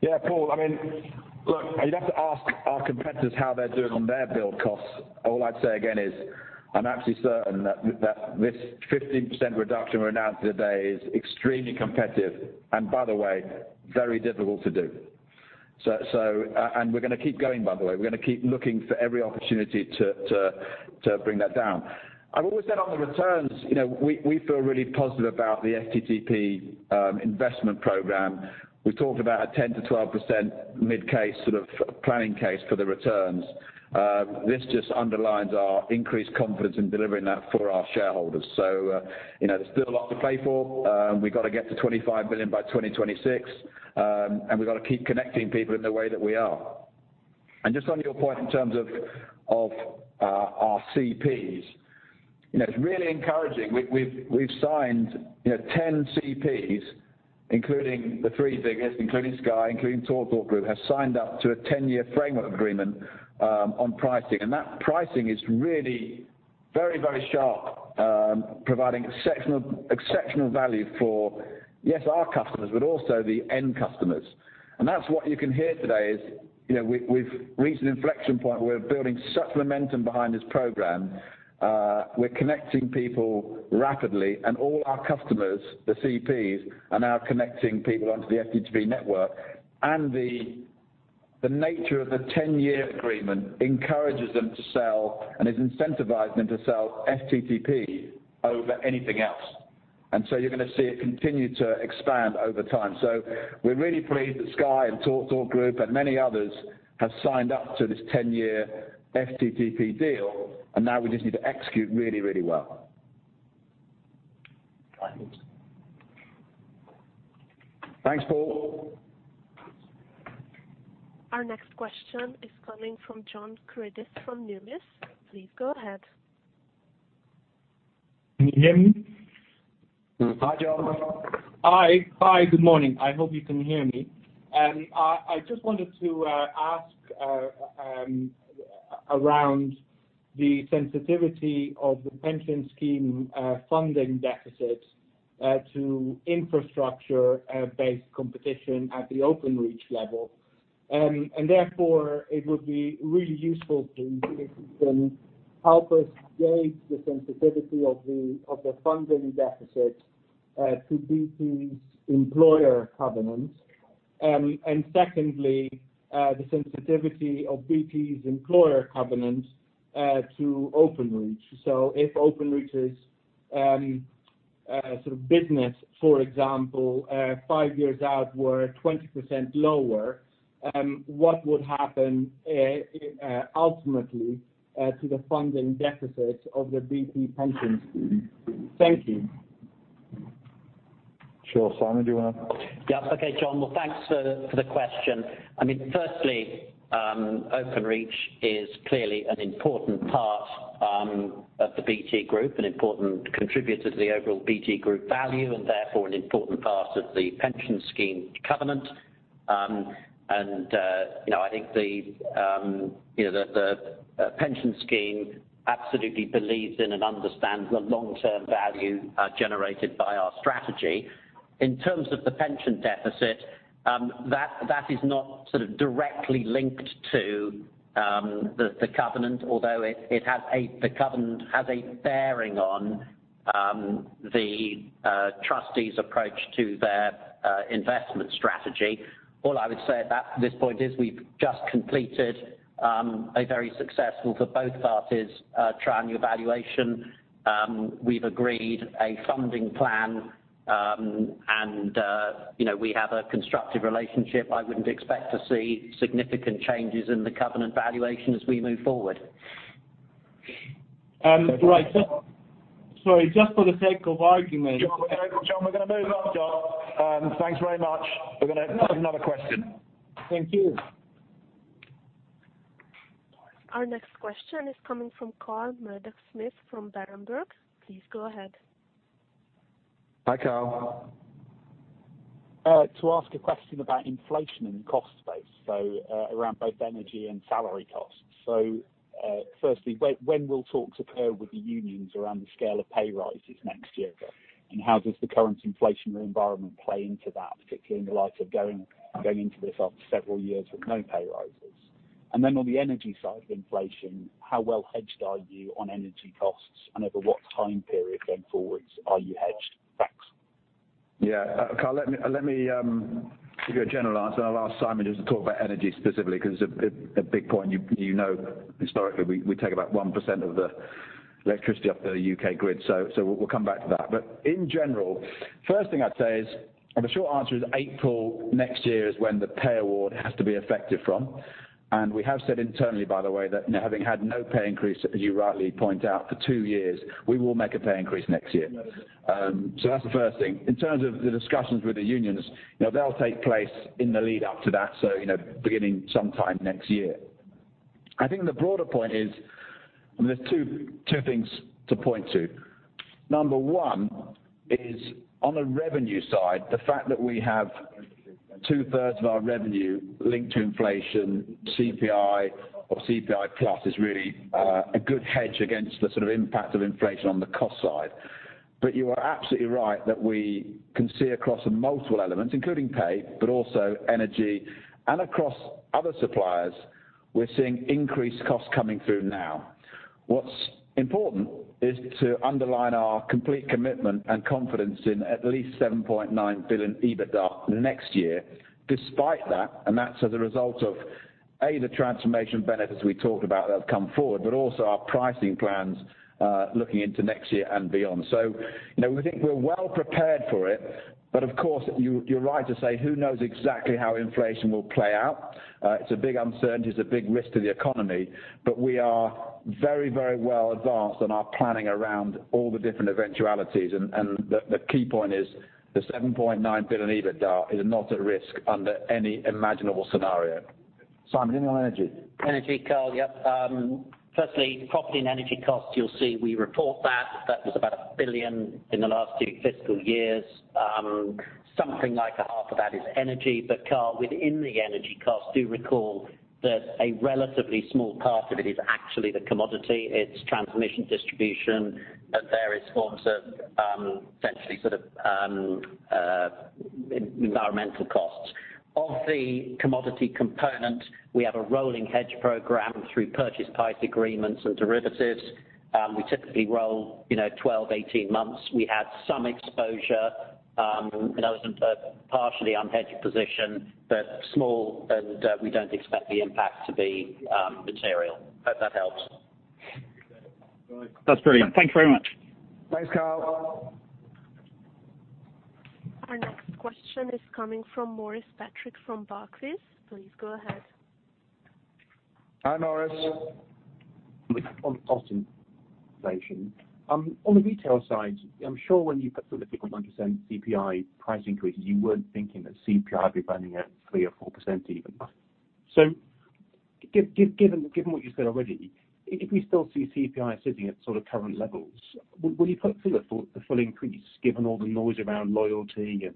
Yeah, Polo, I mean, look, you'd have to ask our competitors how they're doing on their build costs. All I'd say again is I'm absolutely certain that this 15% reduction we're announcing today is extremely competitive and by the way, very difficult to do. We're gonna keep going, by the way. We're gonna keep looking for every opportunity to bring that down. I've always said on the returns, you know, we feel really positive about the FTTP investment program. We talked about a 10%-12% mid case, sort of planning case for the returns. This just underlines our increased confidence in delivering that for our shareholders. You know, there's still a lot to play for. We've got to get to 25 billion by 2026. We've got to keep connecting people in the way that we are. Just on your point in terms of our CPs, you know, it's really encouraging. We've signed, you know, 10 CPs, including the three biggest, including Sky, including TalkTalk Group, have signed up to a 10-year framework agreement on pricing. That pricing is really sharp, providing exceptional value for, yes, our customers, but also the end customers. That's what you can hear today is, you know, we've reached an inflection point. We're building such momentum behind this program. We're connecting people rapidly and all our customers, the CPs, are now connecting people onto the FTTP network. The nature of the 10-year agreement encourages them to sell and has incentivized them to sell FTTP over anything else. You're gonna see it continue to expand over time. We're really pleased that Sky and TalkTalk Group and many others have signed up to this 10-year FTTP deal, and now we just need to execute really, really well. Right. Thanks, Polo. Our next question is coming from John Karidis from Numis. Please go ahead. Can you hear me? Hi, John. Hi. Hi. Good morning. I hope you can hear me. I just wanted to ask. Around the sensitivity of the Pension Scheme, funding deficit, to infrastructure based competition at the Openreach level. Therefore, it would be really useful if you can help us gauge the sensitivity of the funding deficit to BT's employer covenant. Secondly, the sensitivity of BT's employer covenant to Openreach. If Openreach is sort of business, for example, five years out were 20% lower, what would happen ultimately to the funding deficits of the BT Pension Scheme? Thank you. Sure. Simon, do you wanna? Yeah. Okay, John. Well, thanks for the question. I mean, firstly, Openreach is clearly an important part of the BT Group, an important contributor to the overall BT Group value, and therefore an important part of the Pension Scheme covenant. You know, I think the Pension Scheme absolutely believes in and understands the long-term value generated by our strategy. In terms of the pension deficit, that is not sort of directly linked to the covenant, although it has a bearing on the Trustees' approach to their investment strategy. All I would say at this point is we've just completed a very successful, for both parties, triennial valuation. We've agreed a funding plan. You know, we have a constructive relationship. I wouldn't expect to see significant changes in the covenant valuation as we move forward. Right. Sorry, just for the sake of argument. John, we're gonna move on, John. Thanks very much. We're gonna have another question. Thank you. Our next question is coming from Carl Murdock-Smith from Berenberg. Please go ahead. Hi, Carl. To ask a question about inflation and cost base, so, firstly, when will talks occur with the unions around the scale of pay rises next year? And how does the current inflationary environment play into that, particularly in the light of going into this after several years with no pay rises? And then on the energy side of inflation, how well hedged are you on energy costs? And over what time period going forwards are you hedged? Thanks. Yeah. Carl, give you a general answer, and I'll ask Simon just to talk about energy specifically because it's a big point. You know, historically we take about 1% of the electricity off the U.K. grid. So we'll come back to that. In general, first thing I'd say is, the short answer is April next year is when the pay award has to be effective from. We have said internally, by the way, that having had no pay increase, as you rightly point out, for two years, we will make a pay increase next year. That's the first thing. In terms of the discussions with the unions, you know, they'll take place in the lead up to that, so, you know, beginning sometime next year. I think the broader point is, and there's two things to point to. Number one is on the revenue side, the fact that we have two-thirds of our revenue linked to inflation, CPI or CPI plus is really a good hedge against the sort of impact of inflation on the cost side. You are absolutely right that we can see across multiple elements, including pay, but also energy and across other suppliers, we're seeing increased costs coming through now. What's important is to underline our complete commitment and confidence in at least 7.9 billion EBITDA next year despite that, and that's as a result of, A, the transformation benefits we talked about that have come forward, but also our pricing plans looking into next year and beyond. You know, we think we're well prepared for it. Of course, you're right to say who knows exactly how inflation will play out. It's a big uncertainty, it's a big risk to the economy. We are very, very well advanced in our planning around all the different eventualities. The key point is the 7.9 billion EBITDA is not at risk under any imaginable scenario. Simon, anything on energy? Energy, Carl, yep. Firstly, property and energy costs, you'll see we report that. That was about 1 billion in the last two fiscal years. Something like a half of that is energy. Carl, within the energy costs, do recall that a relatively small part of it is actually the commodity. It's transmission, distribution, and various forms of essentially sort of environmental costs. Of the commodity component, we have a rolling hedge program through power purchase agreements and derivatives. We typically roll, you know, 12, 18 months. We have some exposure, you know, some partially unhedged position, but small and we don't expect the impact to be material. Hope that helps. That's brilliant. Thank you very much. Thanks, Carl. Our next question is coming from Maurice Patrick from Barclays. Please go ahead. Hi, Maurice. On cost inflation. On the retail side, I'm sure when you put through the 100% CPI price increase, you weren't thinking that CPI would be running at 3% or 4% even. Given what you've said already, if we still see CPI sitting at sort of current levels, will you put through the full increase given all the noise around loyalty and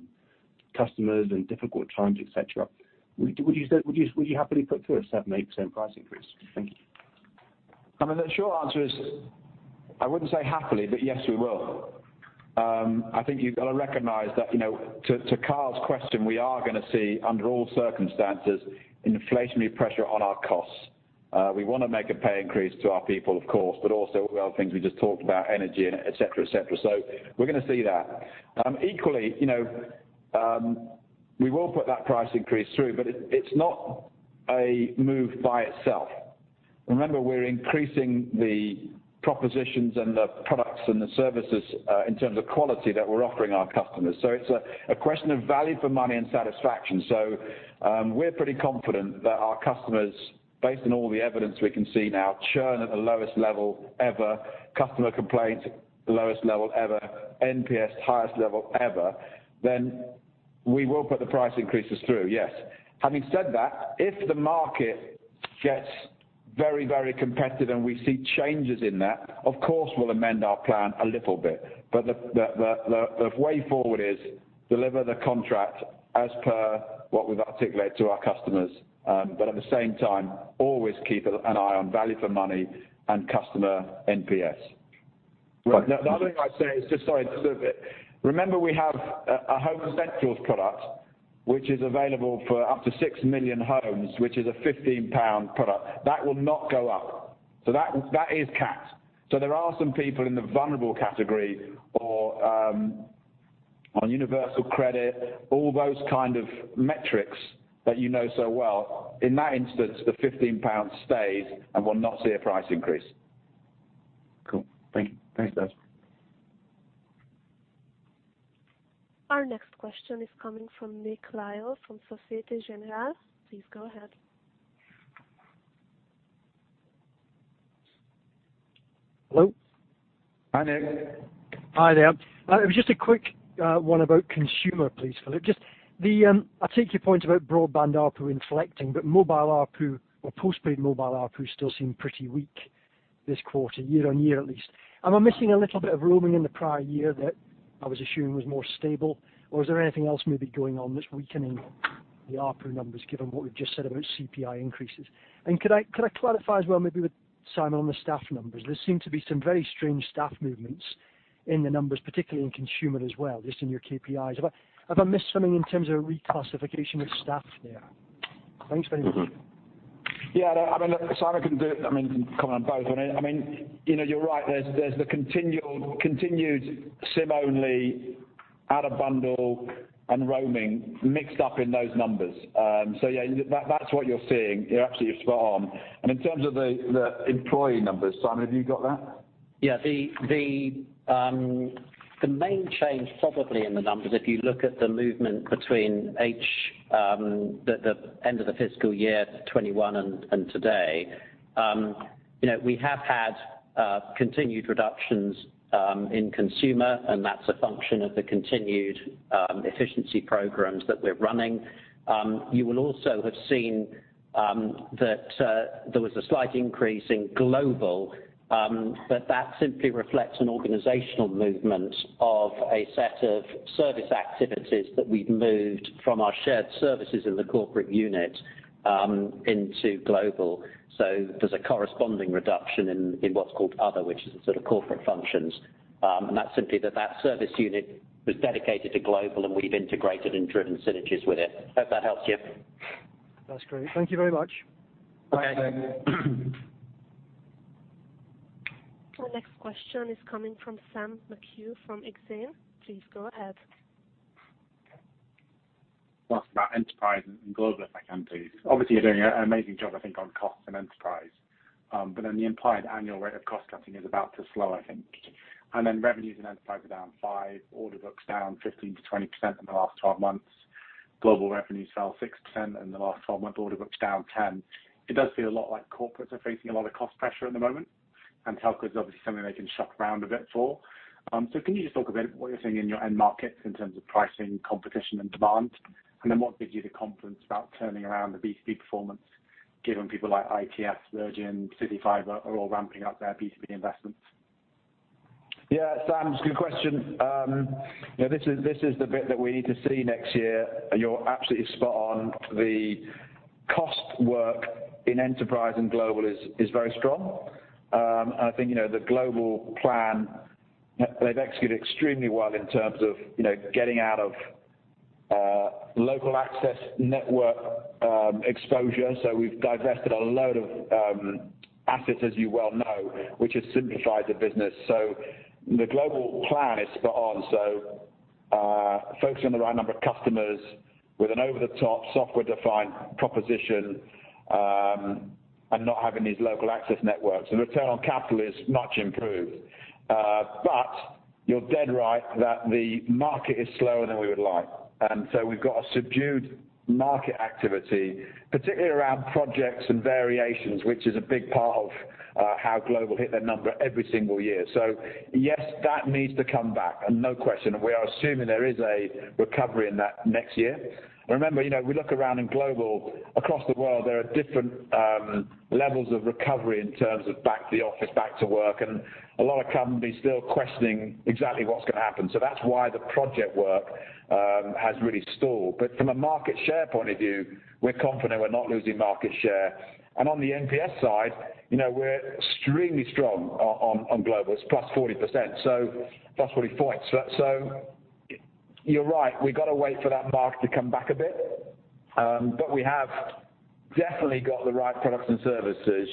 customers in difficult times, et cetera. Would you say, would you happily put through a 7%-8% price increase? Thank you. I mean, the short answer is, I wouldn't say happily, but yes, we will. I think you've got to recognize that, you know, to Carl's question, we are gonna see under all circumstances inflationary pressure on our costs. We wanna make a pay increase to our people, of course, but also we have things we just talked about, energy and et cetera. We're gonna see that. Equally, you know, we will put that price increase through, but it's not a move by itself. Remember, we're increasing the propositions and the products and the services in terms of quality that we're offering our customers. It's a question of value for money and satisfaction. We're pretty confident that our customers, based on all the evidence we can see now, churn at the lowest level ever. Customer complaints, lowest level ever. NPS, highest level ever. We will put the price increases through, yes. Having said that, if the market gets very, very competitive and we see changes in that, of course we'll amend our plan a little bit. The way forward is deliver the contract as per what we've articulated to our customers. At the same time, always keep an eye on value for money and customer NPS. Right. Remember we have a Home Essentials product which is available for up to 6 million homes, which is a 15 pound product. That will not go up. That is capped. There are some people in the vulnerable category or on Universal Credit, all those kind of metrics that you know so well. In that instance, the 15 pounds stays and will not see a price increase. Cool. Thank you. Thanks, guys. Our next question is coming from Nick Lyall from Société Générale. Please go ahead. Hello? Hi, Nick. Hi there. It was just a quick one about Consumer, please, Philip. Just the, I take your point about broadband ARPU inflecting, but mobile ARPU or postpaid mobile ARPU still seem pretty weak this quarter, year on year at least. Am I missing a little bit of roaming in the prior year that I was assuming was more stable, or is there anything else maybe going on that's weakening the ARPU numbers, given what we've just said about CPI increases? Could I clarify as well, maybe with Simon on the staff numbers? There seem to be some very strange staff movements in the numbers, particularly in Consumer as well, just in your KPIs. Have I missed something in terms of reclassification of staff there? Thanks very much. Yeah, I mean, Simon can comment on both. I mean, you know, you're right. There's the continued SIM Only out-of-bundle and roaming mixed up in those numbers. So yeah, that's what you're seeing. You're absolutely spot on. In terms of the employee numbers, Simon, have you got that? Yeah. The main change probably in the numbers, if you look at the movement between the end of the fiscal year 2021 and today, you know, we have had continued reductions in Consumer, and that's a function of the continued efficiency programs that we're running. You will also have seen that there was a slight increase in Global, but that simply reflects an organizational movement of a set of service activities that we've moved from our shared services in the corporate unit into Global. There's a corresponding reduction in what's called Other, which is the sort of corporate functions. That's simply that service unit was dedicated to Global, and we've integrated and driven synergies with it. Hope that helps you. That's great. Thank you very much. Okay. Okay. Our next question is coming from Sam McHugh from Exane. Please go ahead. I want to ask about Enterprise and Global, if I can please. Obviously, you're doing an amazing job, I think, on cost and Enterprise. The implied annual rate of cost cutting is about to slow, I think. Revenues in Enterprise are down 5%, order books down 15%-20% in the last 12 months. Global revenues fell 6% in the last 12 months. Order books down 10%. It does feel a lot like corporates are facing a lot of cost pressure at the moment, and telco is obviously something they can shop around a bit for. Can you just talk a bit about what you're seeing in your end markets in terms of pricing, competition and demand? What gives you the confidence about turning around the B2B performance given people like ITS, Virgin, CityFibre are all ramping up their B2B investments? Yeah, Sam, good question. You know, this is the bit that we need to see next year. You're absolutely spot on. The cost work in Enterprise and Global is very strong. I think, you know, the Global plan, they've executed extremely well in terms of, you know, getting out of local access network exposure. We've divested a load of assets, as you well know, which has simplified the business. The Global plan is spot on. Focusing on the right number of customers with an over-the-top software-defined proposition and not having these local access networks. The return on capital is much improved. But you're dead right that the market is slower than we would like. We've got a subdued market activity, particularly around projects and variations, which is a big part of how Global hit their number every single year. Yes, that needs to come back, no question, and we are assuming there is a recovery in that next year. Remember, you know, we look around in Global, across the world, there are different levels of recovery in terms of back to the office, back to work. A lot of companies still questioning exactly what's gonna happen. That's why the project work has really stalled. From a market share point of view, we're confident we're not losing market share. On the NPS side, you know, we're extremely strong on Global. It's +40%, so that's really fine. You're right. We've gotta wait for that market to come back a bit. We have definitely got the right products and services.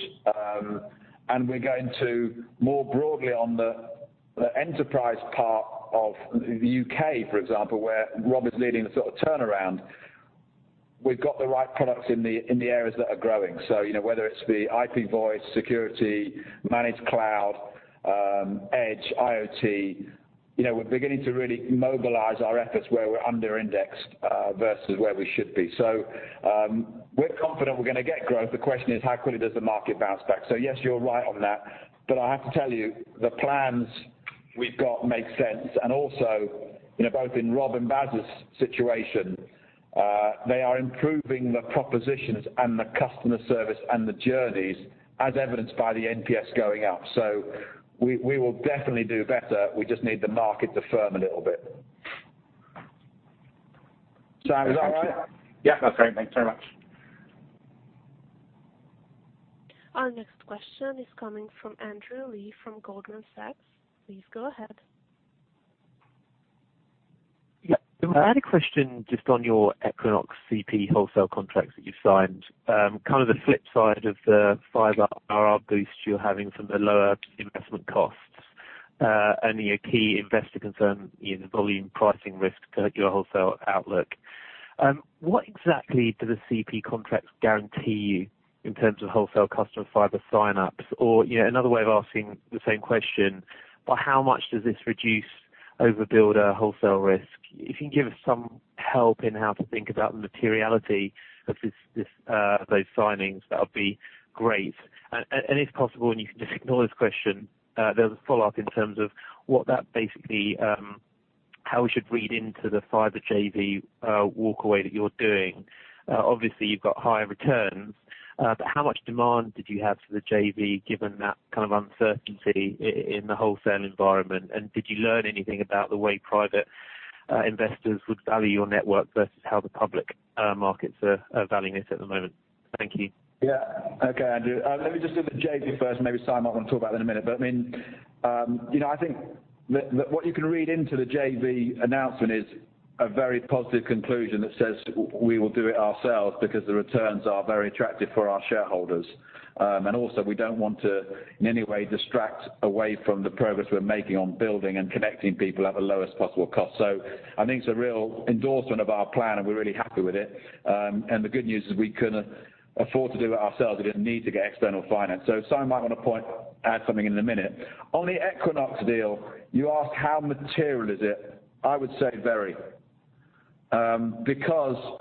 We're going to more broadly on the Enterprise part of the U.K., for example, where Rob is leading the sort of turnaround. We've got the right products in the areas that are growing. You know, whether it's the IP Voice, Security, Managed Cloud, Edge, IoT, you know, we're beginning to really mobilize our efforts where we're under indexed versus where we should be. We're confident we're gonna get growth. The question is, how quickly does the market bounce back? Yes, you're right on that. I have to tell you, the plans we've got make sense. Also, you know, both in Rob and Bas' situation, they are improving the propositions and the customer service and the journeys, as evidenced by the NPS going up. We will definitely do better. We just need the market to firm a little bit. Sam, is that all right? Yeah. That's great. Thanks very much. Our next question is coming from Andrew Lee, from Goldman Sachs. Please go ahead. Yeah. I had a question just on your Equinox CP wholesale contracts that you signed. Kind of the flip side of the fibre IRR boost you're having from the lower investment costs. Your key investor concern is volume pricing risk to your wholesale outlook. What exactly do the CP contracts guarantee you in terms of wholesale customer fibre sign-ups? Or, you know, another way of asking the same question, by how much does this reduce overbuilder wholesale risk? If you can give us some help in how to think about the materiality of this, those signings, that would be great. If possible, and you can just ignore this question, there's a follow-up in terms of how we should read into the fibre JV walkaway that you're doing. Obviously, you've got higher returns. How much demand did you have for the JV, given that kind of uncertainty in the wholesale environment? Did you learn anything about the way private investors would value your network versus how the public markets are valuing it at the moment? Thank you. Yeah. Okay, Andrew. Let me just do the JV first. Maybe Simon might want to talk about it in a minute. I mean, you know, I think that what you can read into the JV announcement is a very positive conclusion that says we will do it ourselves because the returns are very attractive for our shareholders. Also we don't want to, in any way, distract away from the progress we're making on building and connecting people at the lowest possible cost. I think it's a real endorsement of our plan, and we're really happy with it. The good news is we can afford to do it ourselves. We didn't need to get external finance. Simon might wanna add something in a minute. On the Equinox deal, you asked how material is it. I would say very. Because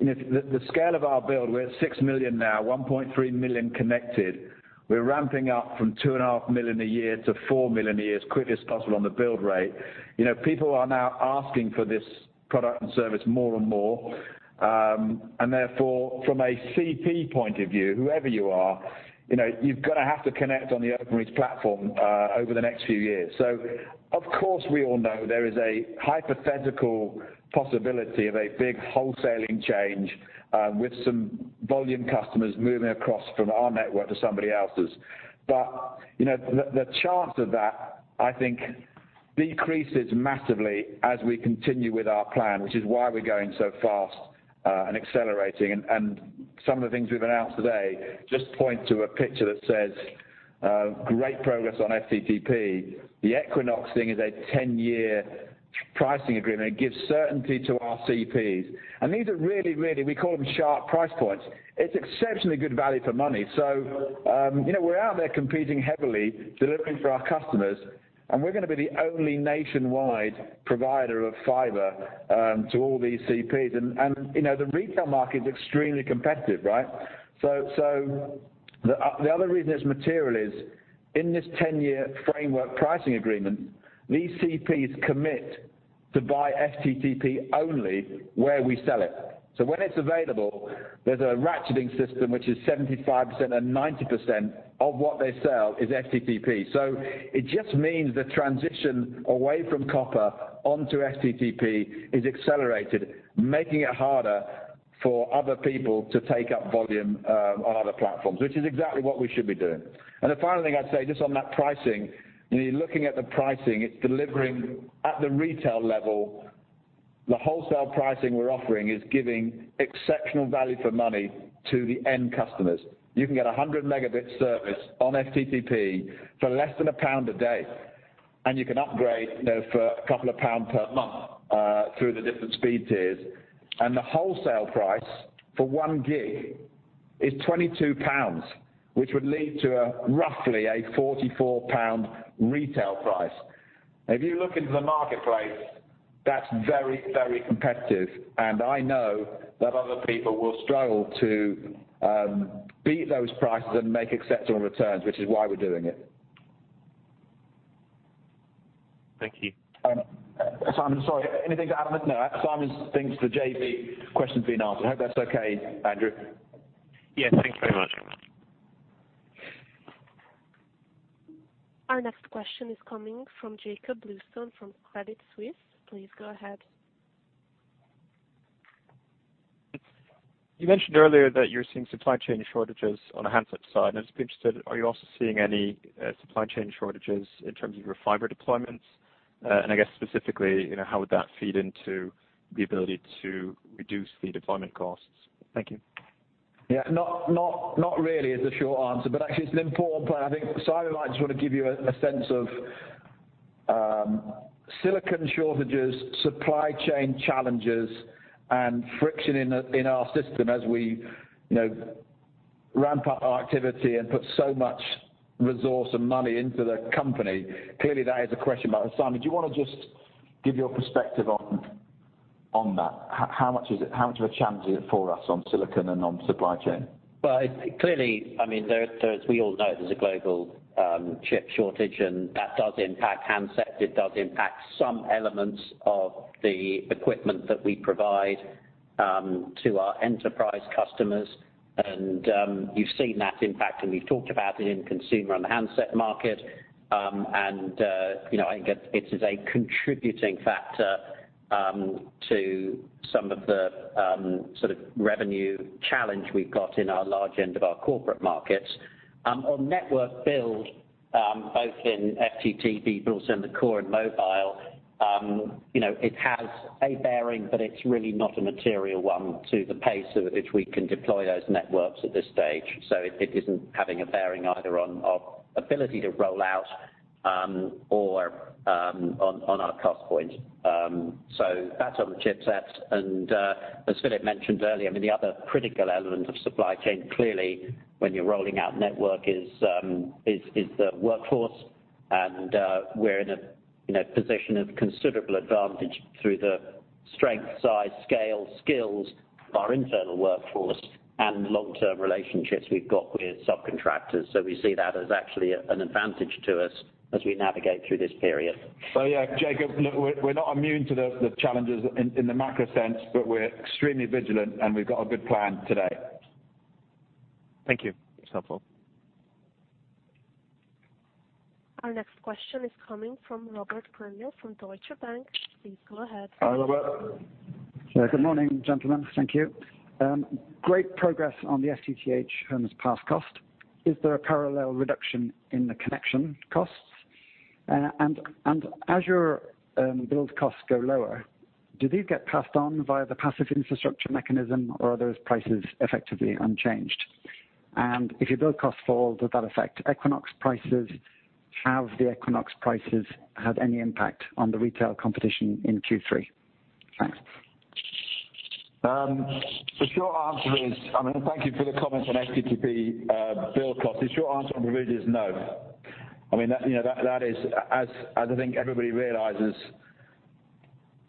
of the scale of our build, we're at 6 million now, 1.3 million connected. We're ramping up from 2.5 million a year to 4 million a year as quickly as possible on the build rate. You know, people are now asking for this product and service more and more. And therefore from a CP point of view, whoever you are, you know, you're gonna have to connect on the Openreach platform over the next few years. Of course, we all know there is a hypothetical possibility of a big wholesaling change with some volume customers moving across from our network to somebody else's. You know, the chance of that, I think, decreases massively as we continue with our plan, which is why we're going so fast and accelerating. Some of the things we've announced today just point to a picture that says great progress on FTTP. The Equinox thing is a 10-year pricing agreement. It gives certainty to our CPs. These are really, we call them sharp price points. It's exceptionally good value for money. You know, we're out there competing heavily, delivering for our customers, and we're gonna be the only nationwide provider of fibre to all these CPs. You know, the retail market is extremely competitive, right? The other reason it's material is, in this 10-year framework pricing agreement, these CPs commit to buy FTTP only where we sell it. So when it's available, there's a ratcheting system which is 75% and 90% of what they sell is FTTP. It just means the transition away from copper onto FTTP is accelerated, making it harder for other people to take up volume on other platforms, which is exactly what we should be doing. The final thing I'd say, just on that pricing, when you're looking at the pricing, it's delivering at the retail level, the wholesale pricing we're offering is giving exceptional value for money to the end customers. You can get a 100 Mb service on FTTP for less than GBP 1 a day, and you can upgrade, you know, for a couple of pound per month through the different speed tiers. The wholesale price for 1 G is 22 pounds, which would lead to, roughly, a 44 pound retail price. If you look into the marketplace, that's very, very competitive. I know that other people will struggle to beat those prices and make exceptional returns, which is why we're doing it. Thank you. Simon, sorry. Anything to add on this? No. Simon thinks the JV question's been answered. I hope that's okay, Andrew. Yeah. Thank you very much. Our next question is coming from Jakob Bluestone from Credit Suisse. Please go ahead. You mentioned earlier that you're seeing supply chain shortages on the handset side. I'd just be interested, are you also seeing any supply chain shortages in terms of your fibre deployments? I guess specifically, you know, how would that feed into the ability to reduce the deployment costs? Thank you. Yeah. Not really is the short answer, but actually it's an important plan. I think Simon might just wanna give you a sense of silicon shortages, supply chain challenges, and friction in our system as we, you know, ramp up our activity and put so much resource and money into the company. Clearly, that is a question about. Simon, do you wanna just give your perspective on that? How much is it, how much of a challenge is it for us on silicon and on supply chain? Well, clearly, I mean, we all know there's a global chip shortage, and that does impact handsets. It does impact some elements of the equipment that we provide to our Enterprise customers. You've seen that impact, and we've talked about it in Consumer on the handset market. You know, I think it is a contributing factor to some of the sort of revenue challenge we've got in our large end of our corporate markets. On network build, both in FTTP, but also in the core and mobile, you know, it has a bearing, but it's really not a material one to the pace at which we can deploy those networks at this stage. It isn't having a bearing either on our ability to roll out or on our cost point. That's on the chipset. As Philip mentioned earlier, I mean, the other critical element of supply chain, clearly when you're rolling out network is the workforce. We're in a position of considerable advantage through the strength, size, scale, skills of our internal workforce and long-term relationships we've got with subcontractors. We see that as actually an advantage to us as we navigate through this period. Yeah, Jakob, look, we're not immune to the challenges in the macro sense, but we're extremely vigilant, and we've got a good plan today. Thank you. That's helpful. Our next question is coming from Robert Grindle from Deutsche Bank. Please go ahead. Hi, Robert. Yeah. Good morning, gentlemen. Thank you. Great progress on the FTTH homes passed cost. Is there a parallel reduction in the connection costs? As your build costs go lower, do these get passed on via the passive infrastructure mechanism, or are those prices effectively unchanged? If your build costs fall, does that affect Equinox prices? Have the Equinox prices had any impact on the retail competition in Q3? Thanks. The short answer is, I mean, thank you for the comments on FTTP build cost. The short answer on the build is no. I mean, that, you know, that is, as I think everybody realizes,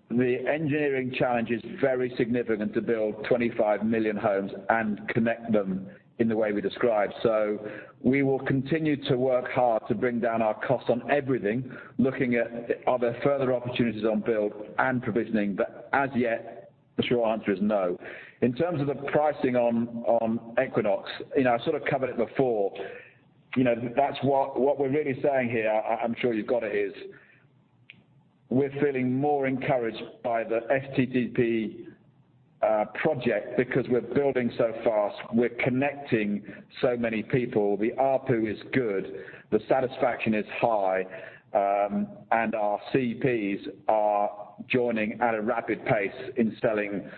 the engineering challenge is very significant to build 25 million homes and connect them in the way we described. We will continue to work hard to bring down our costs on everything, looking at, are there further opportunities on build and provisioning. As yet, the short answer is no. In terms of the pricing on Equinox, you know, I sort of covered it before. You know, that's what we're really saying here, I'm sure you've got it, is we're feeling more encouraged by the FTTP project because we're building so fast. We're connecting so many people. The ARPU is good, the satisfaction is high, and our CPs are joining at a rapid pace in selling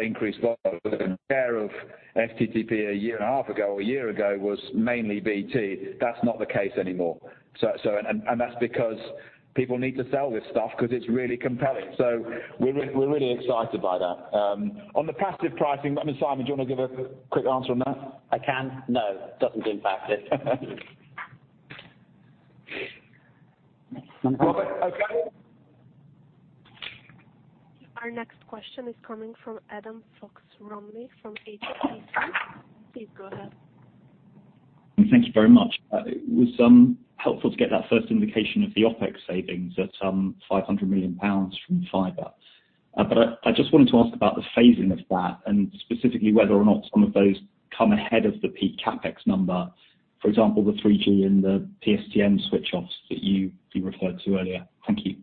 increased volume. Share of FTTP a year and a half ago or a year ago was mainly BT. That's not the case anymore. That's because people need to sell this stuff because it's really compelling. We're really excited by that. On the passive pricing, I mean, Simon, do you wanna give a quick answer on that? I can. No, doesn't impact it. Okay. Our next question is coming from Adam Fox-Rumley from HSBC. Please go ahead. Thank you very much. It was helpful to get that first indication of the OpEx savings at 500 million pounds from fibre. I just wanted to ask about the phasing of that and specifically whether or not some of those come ahead of the peak CapEx number, for example, the 3G and the PSTN switch-offs that you referred to earlier. Thank you.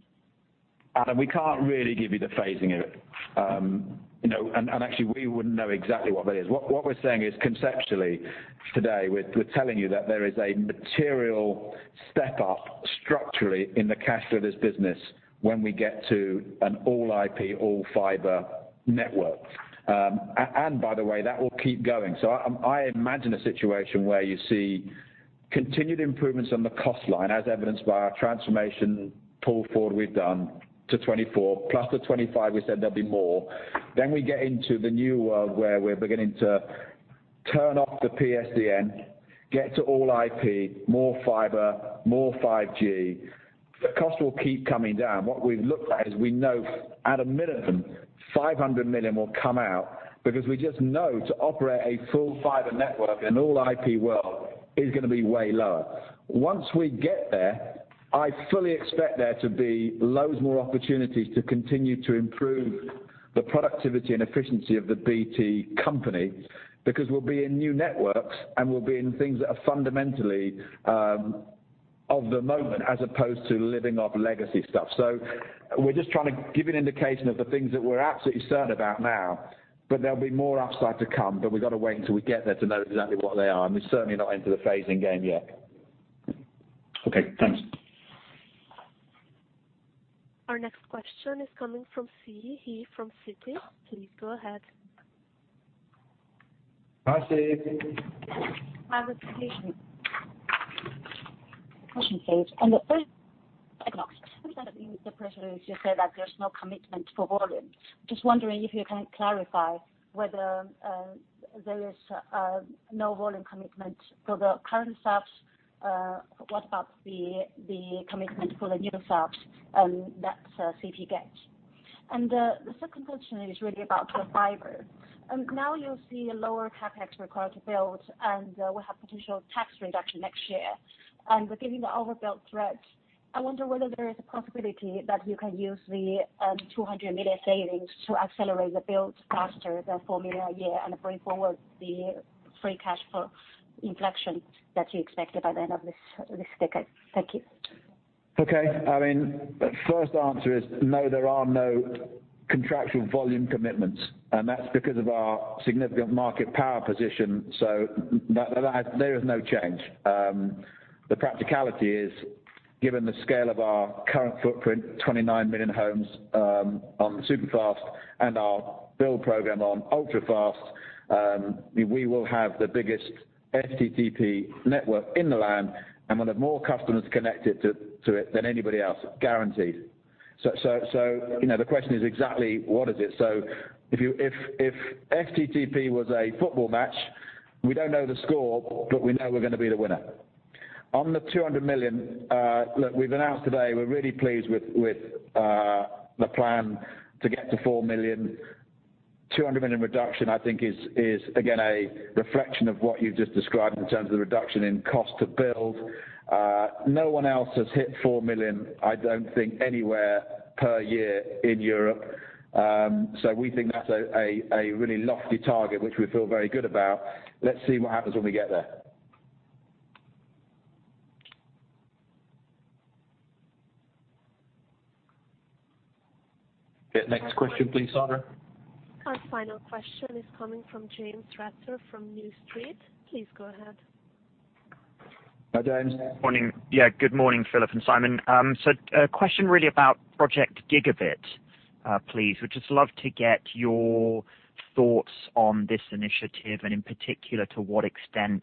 Adam, we can't really give you the phasing of it. you know, actually we wouldn't know exactly what that is. What we're saying is conceptually today, we're telling you that there is a material step up structurally in the cash of this business when we get to an all-IP, all-fibre network. By the way, that will keep going. I imagine a situation where you see continued improvements on the cost line as evidenced by our transformation pull forward we've done to 2024, plus to 2025, we said there'll be more. We get into the new world where we're beginning to turn off the PSTN, get to all-IP, more fibre, more 5G. The cost will keep coming down. What we've looked at is we know at a minimum, 500 million will come out because we just know to operate a full fibre network in an all-IP world is gonna be way lower. Once we get there, I fully expect there to be loads more opportunities to continue to improve the productivity and efficiency of the BT company because we'll be in new networks, and we'll be in things that are fundamentally, of the moment, as opposed to living off legacy stuff. We're just trying to give an indication of the things that we're absolutely certain about now, but there'll be more upside to come, but we've gotta wait until we get there to know exactly what they are. We're certainly not into the phasing game yet. Okay, thanks. Our next question is coming from Siyi He from Citi. Please go ahead. Hi, Siyi He. Hi, this is Siyi He. Question please. On the first question, the pressure is to say that there's no commitment for volume. Just wondering if you can clarify whether there is no volume commitment for the current subs. What about the commitment for the new subs that CP gets? The second question is really about the fibre. Now you'll see a lower CapEx required to build, and we have potential tax reduction next year. We're giving the overbuild threat. I wonder whether there is a possibility that you can use the 200 million savings to accelerate the build faster than 4 million a year and bring forward the free cash flow inflection that you expected by the end of this decade. Thank you. Okay. I mean, first answer is no, there are no contractual volume commitments, and that's because of our significant market power position. So that, there is no change. The practicality is, given the scale of our current footprint, 29 million homes, on super fast and our build program on ultra fast, we will have the biggest FTTP network in the land, and we'll have more customers connected to it than anybody else, guaranteed. So, you know, the question is exactly what is it? So if FTTP was a football match, we don't know the score, but we know we're gonna be the winner. On the 200 million, look, we've announced today we're really pleased with the plan to get to 4 million. 200 million reduction, I think, is again a reflection of what you've just described in terms of the reduction in cost to build. No one else has hit 4 million, I don't think, anywhere per year in Europe. We think that's a really lofty target, which we feel very good about. Let's see what happens when we get there. Next question please, Sandra. Our final question is coming from James Ratzer from New Street. Please go ahead. Hi, James. Morning. Good morning, Philip and Simon. A question really about Project Gigabit, please. We'd just love to get your thoughts on this initiative and in particular, to what extent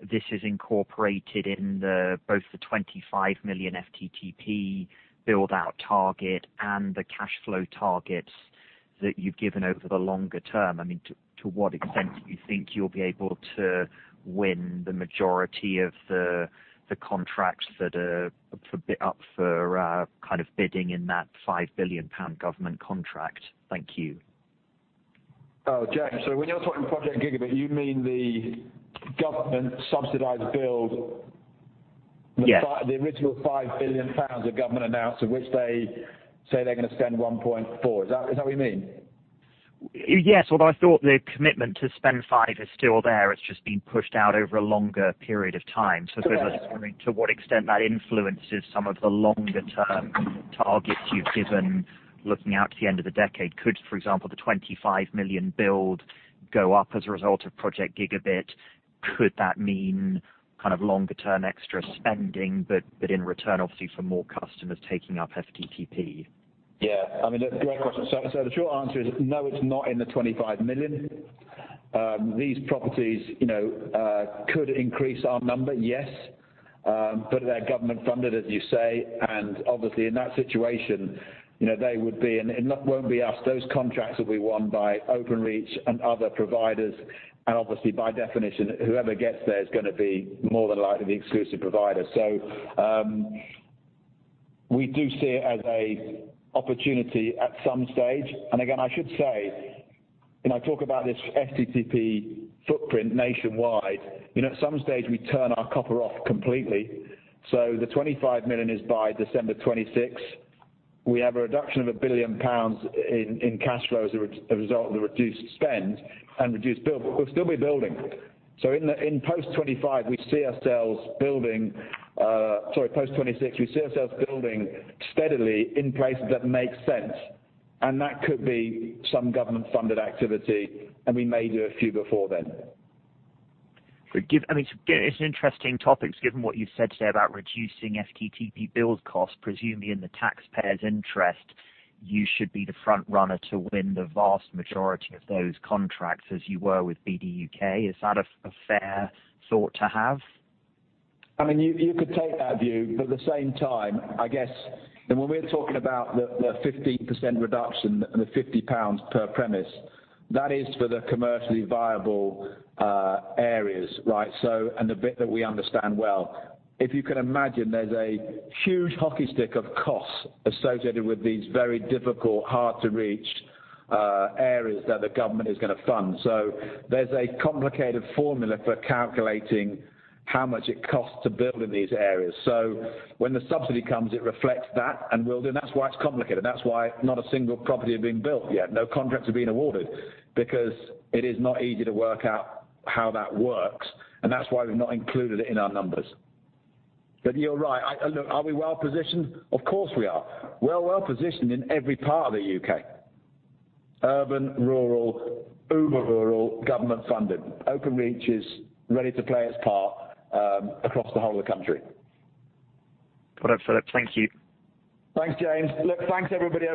this is incorporated in both the 25 million FTTP build out target and the cash flow targets that you've given over the longer-term. I mean, to what extent do you think you'll be able to win the majority of the contracts that are up for up for kind of bidding in that 5 billion pound government contract? Thank you. Oh, James. When you're talking Project Gigabit, you mean the government subsidized build- Yes. The five, the original 5 billion pounds the government announced, of which they say they're gonna spend 1.4 billion. Is that what you mean? Yes. Although I thought the commitment to spend 5 billion is still there, it's just been pushed out over a longer period of time to what extent that influences some of the longer-term targets you've given looking out to the end of the decade? Could, for example, the 25 million build go up as a result of Project Gigabit? Could that mean kind of longer-term extra spending, but in return, obviously for more customers taking up FTTP? Yeah, I mean, look, great question. The short answer is no, it's not in the 25 million. These properties, you know, could increase our number, yes. But they're government funded, as you say, and obviously in that situation, you know, they would be, and it won't be us. Those contracts will be won by Openreach and other providers. Obviously by definition, whoever gets there is gonna be more than likely the exclusive provider. We do see it as an opportunity at some stage. Again, I should say, when I talk about this FTTP footprint nationwide, you know, at some stage we turn our copper off completely. The 25 million is by December 2026. We have a reduction of 1 billion pounds in cash flow as a result of the reduced spend and reduced build. We'll still be building. In post 2026, we see ourselves building steadily in places that make sense, and that could be some government funded activity, and we may do a few before then. I mean, it's an interesting topic given what you've said today about reducing FTTP build costs, presumably in the taxpayer's interest, you should be the front-runner to win the vast majority of those contracts as you were with BDUK. Is that a fair thought to have? I mean, you could take that view, but at the same time, I guess, and when we're talking about the 15% reduction and the 50 pounds per premise, that is for the commercially viable areas, right? And the bit that we understand well. If you can imagine, there's a huge hockey stick of costs associated with these very difficult, hard to reach areas that the government is gonna fund. There's a complicated formula for calculating how much it costs to build in these areas. When the subsidy comes, it reflects that and that's why it's complicated. That's why not a single property are being built yet. No contracts are being awarded because it is not easy to work out how that works. That's why we've not included it in our numbers. But you're right. Look, are we well positioned? Of course we are. We're well positioned in every part of the U.K., urban, rural, uber rural, government funded. Openreach is ready to play its part across the whole of the country. Got it, Philip. Thank you. Thanks, James. Look, thanks, everybody.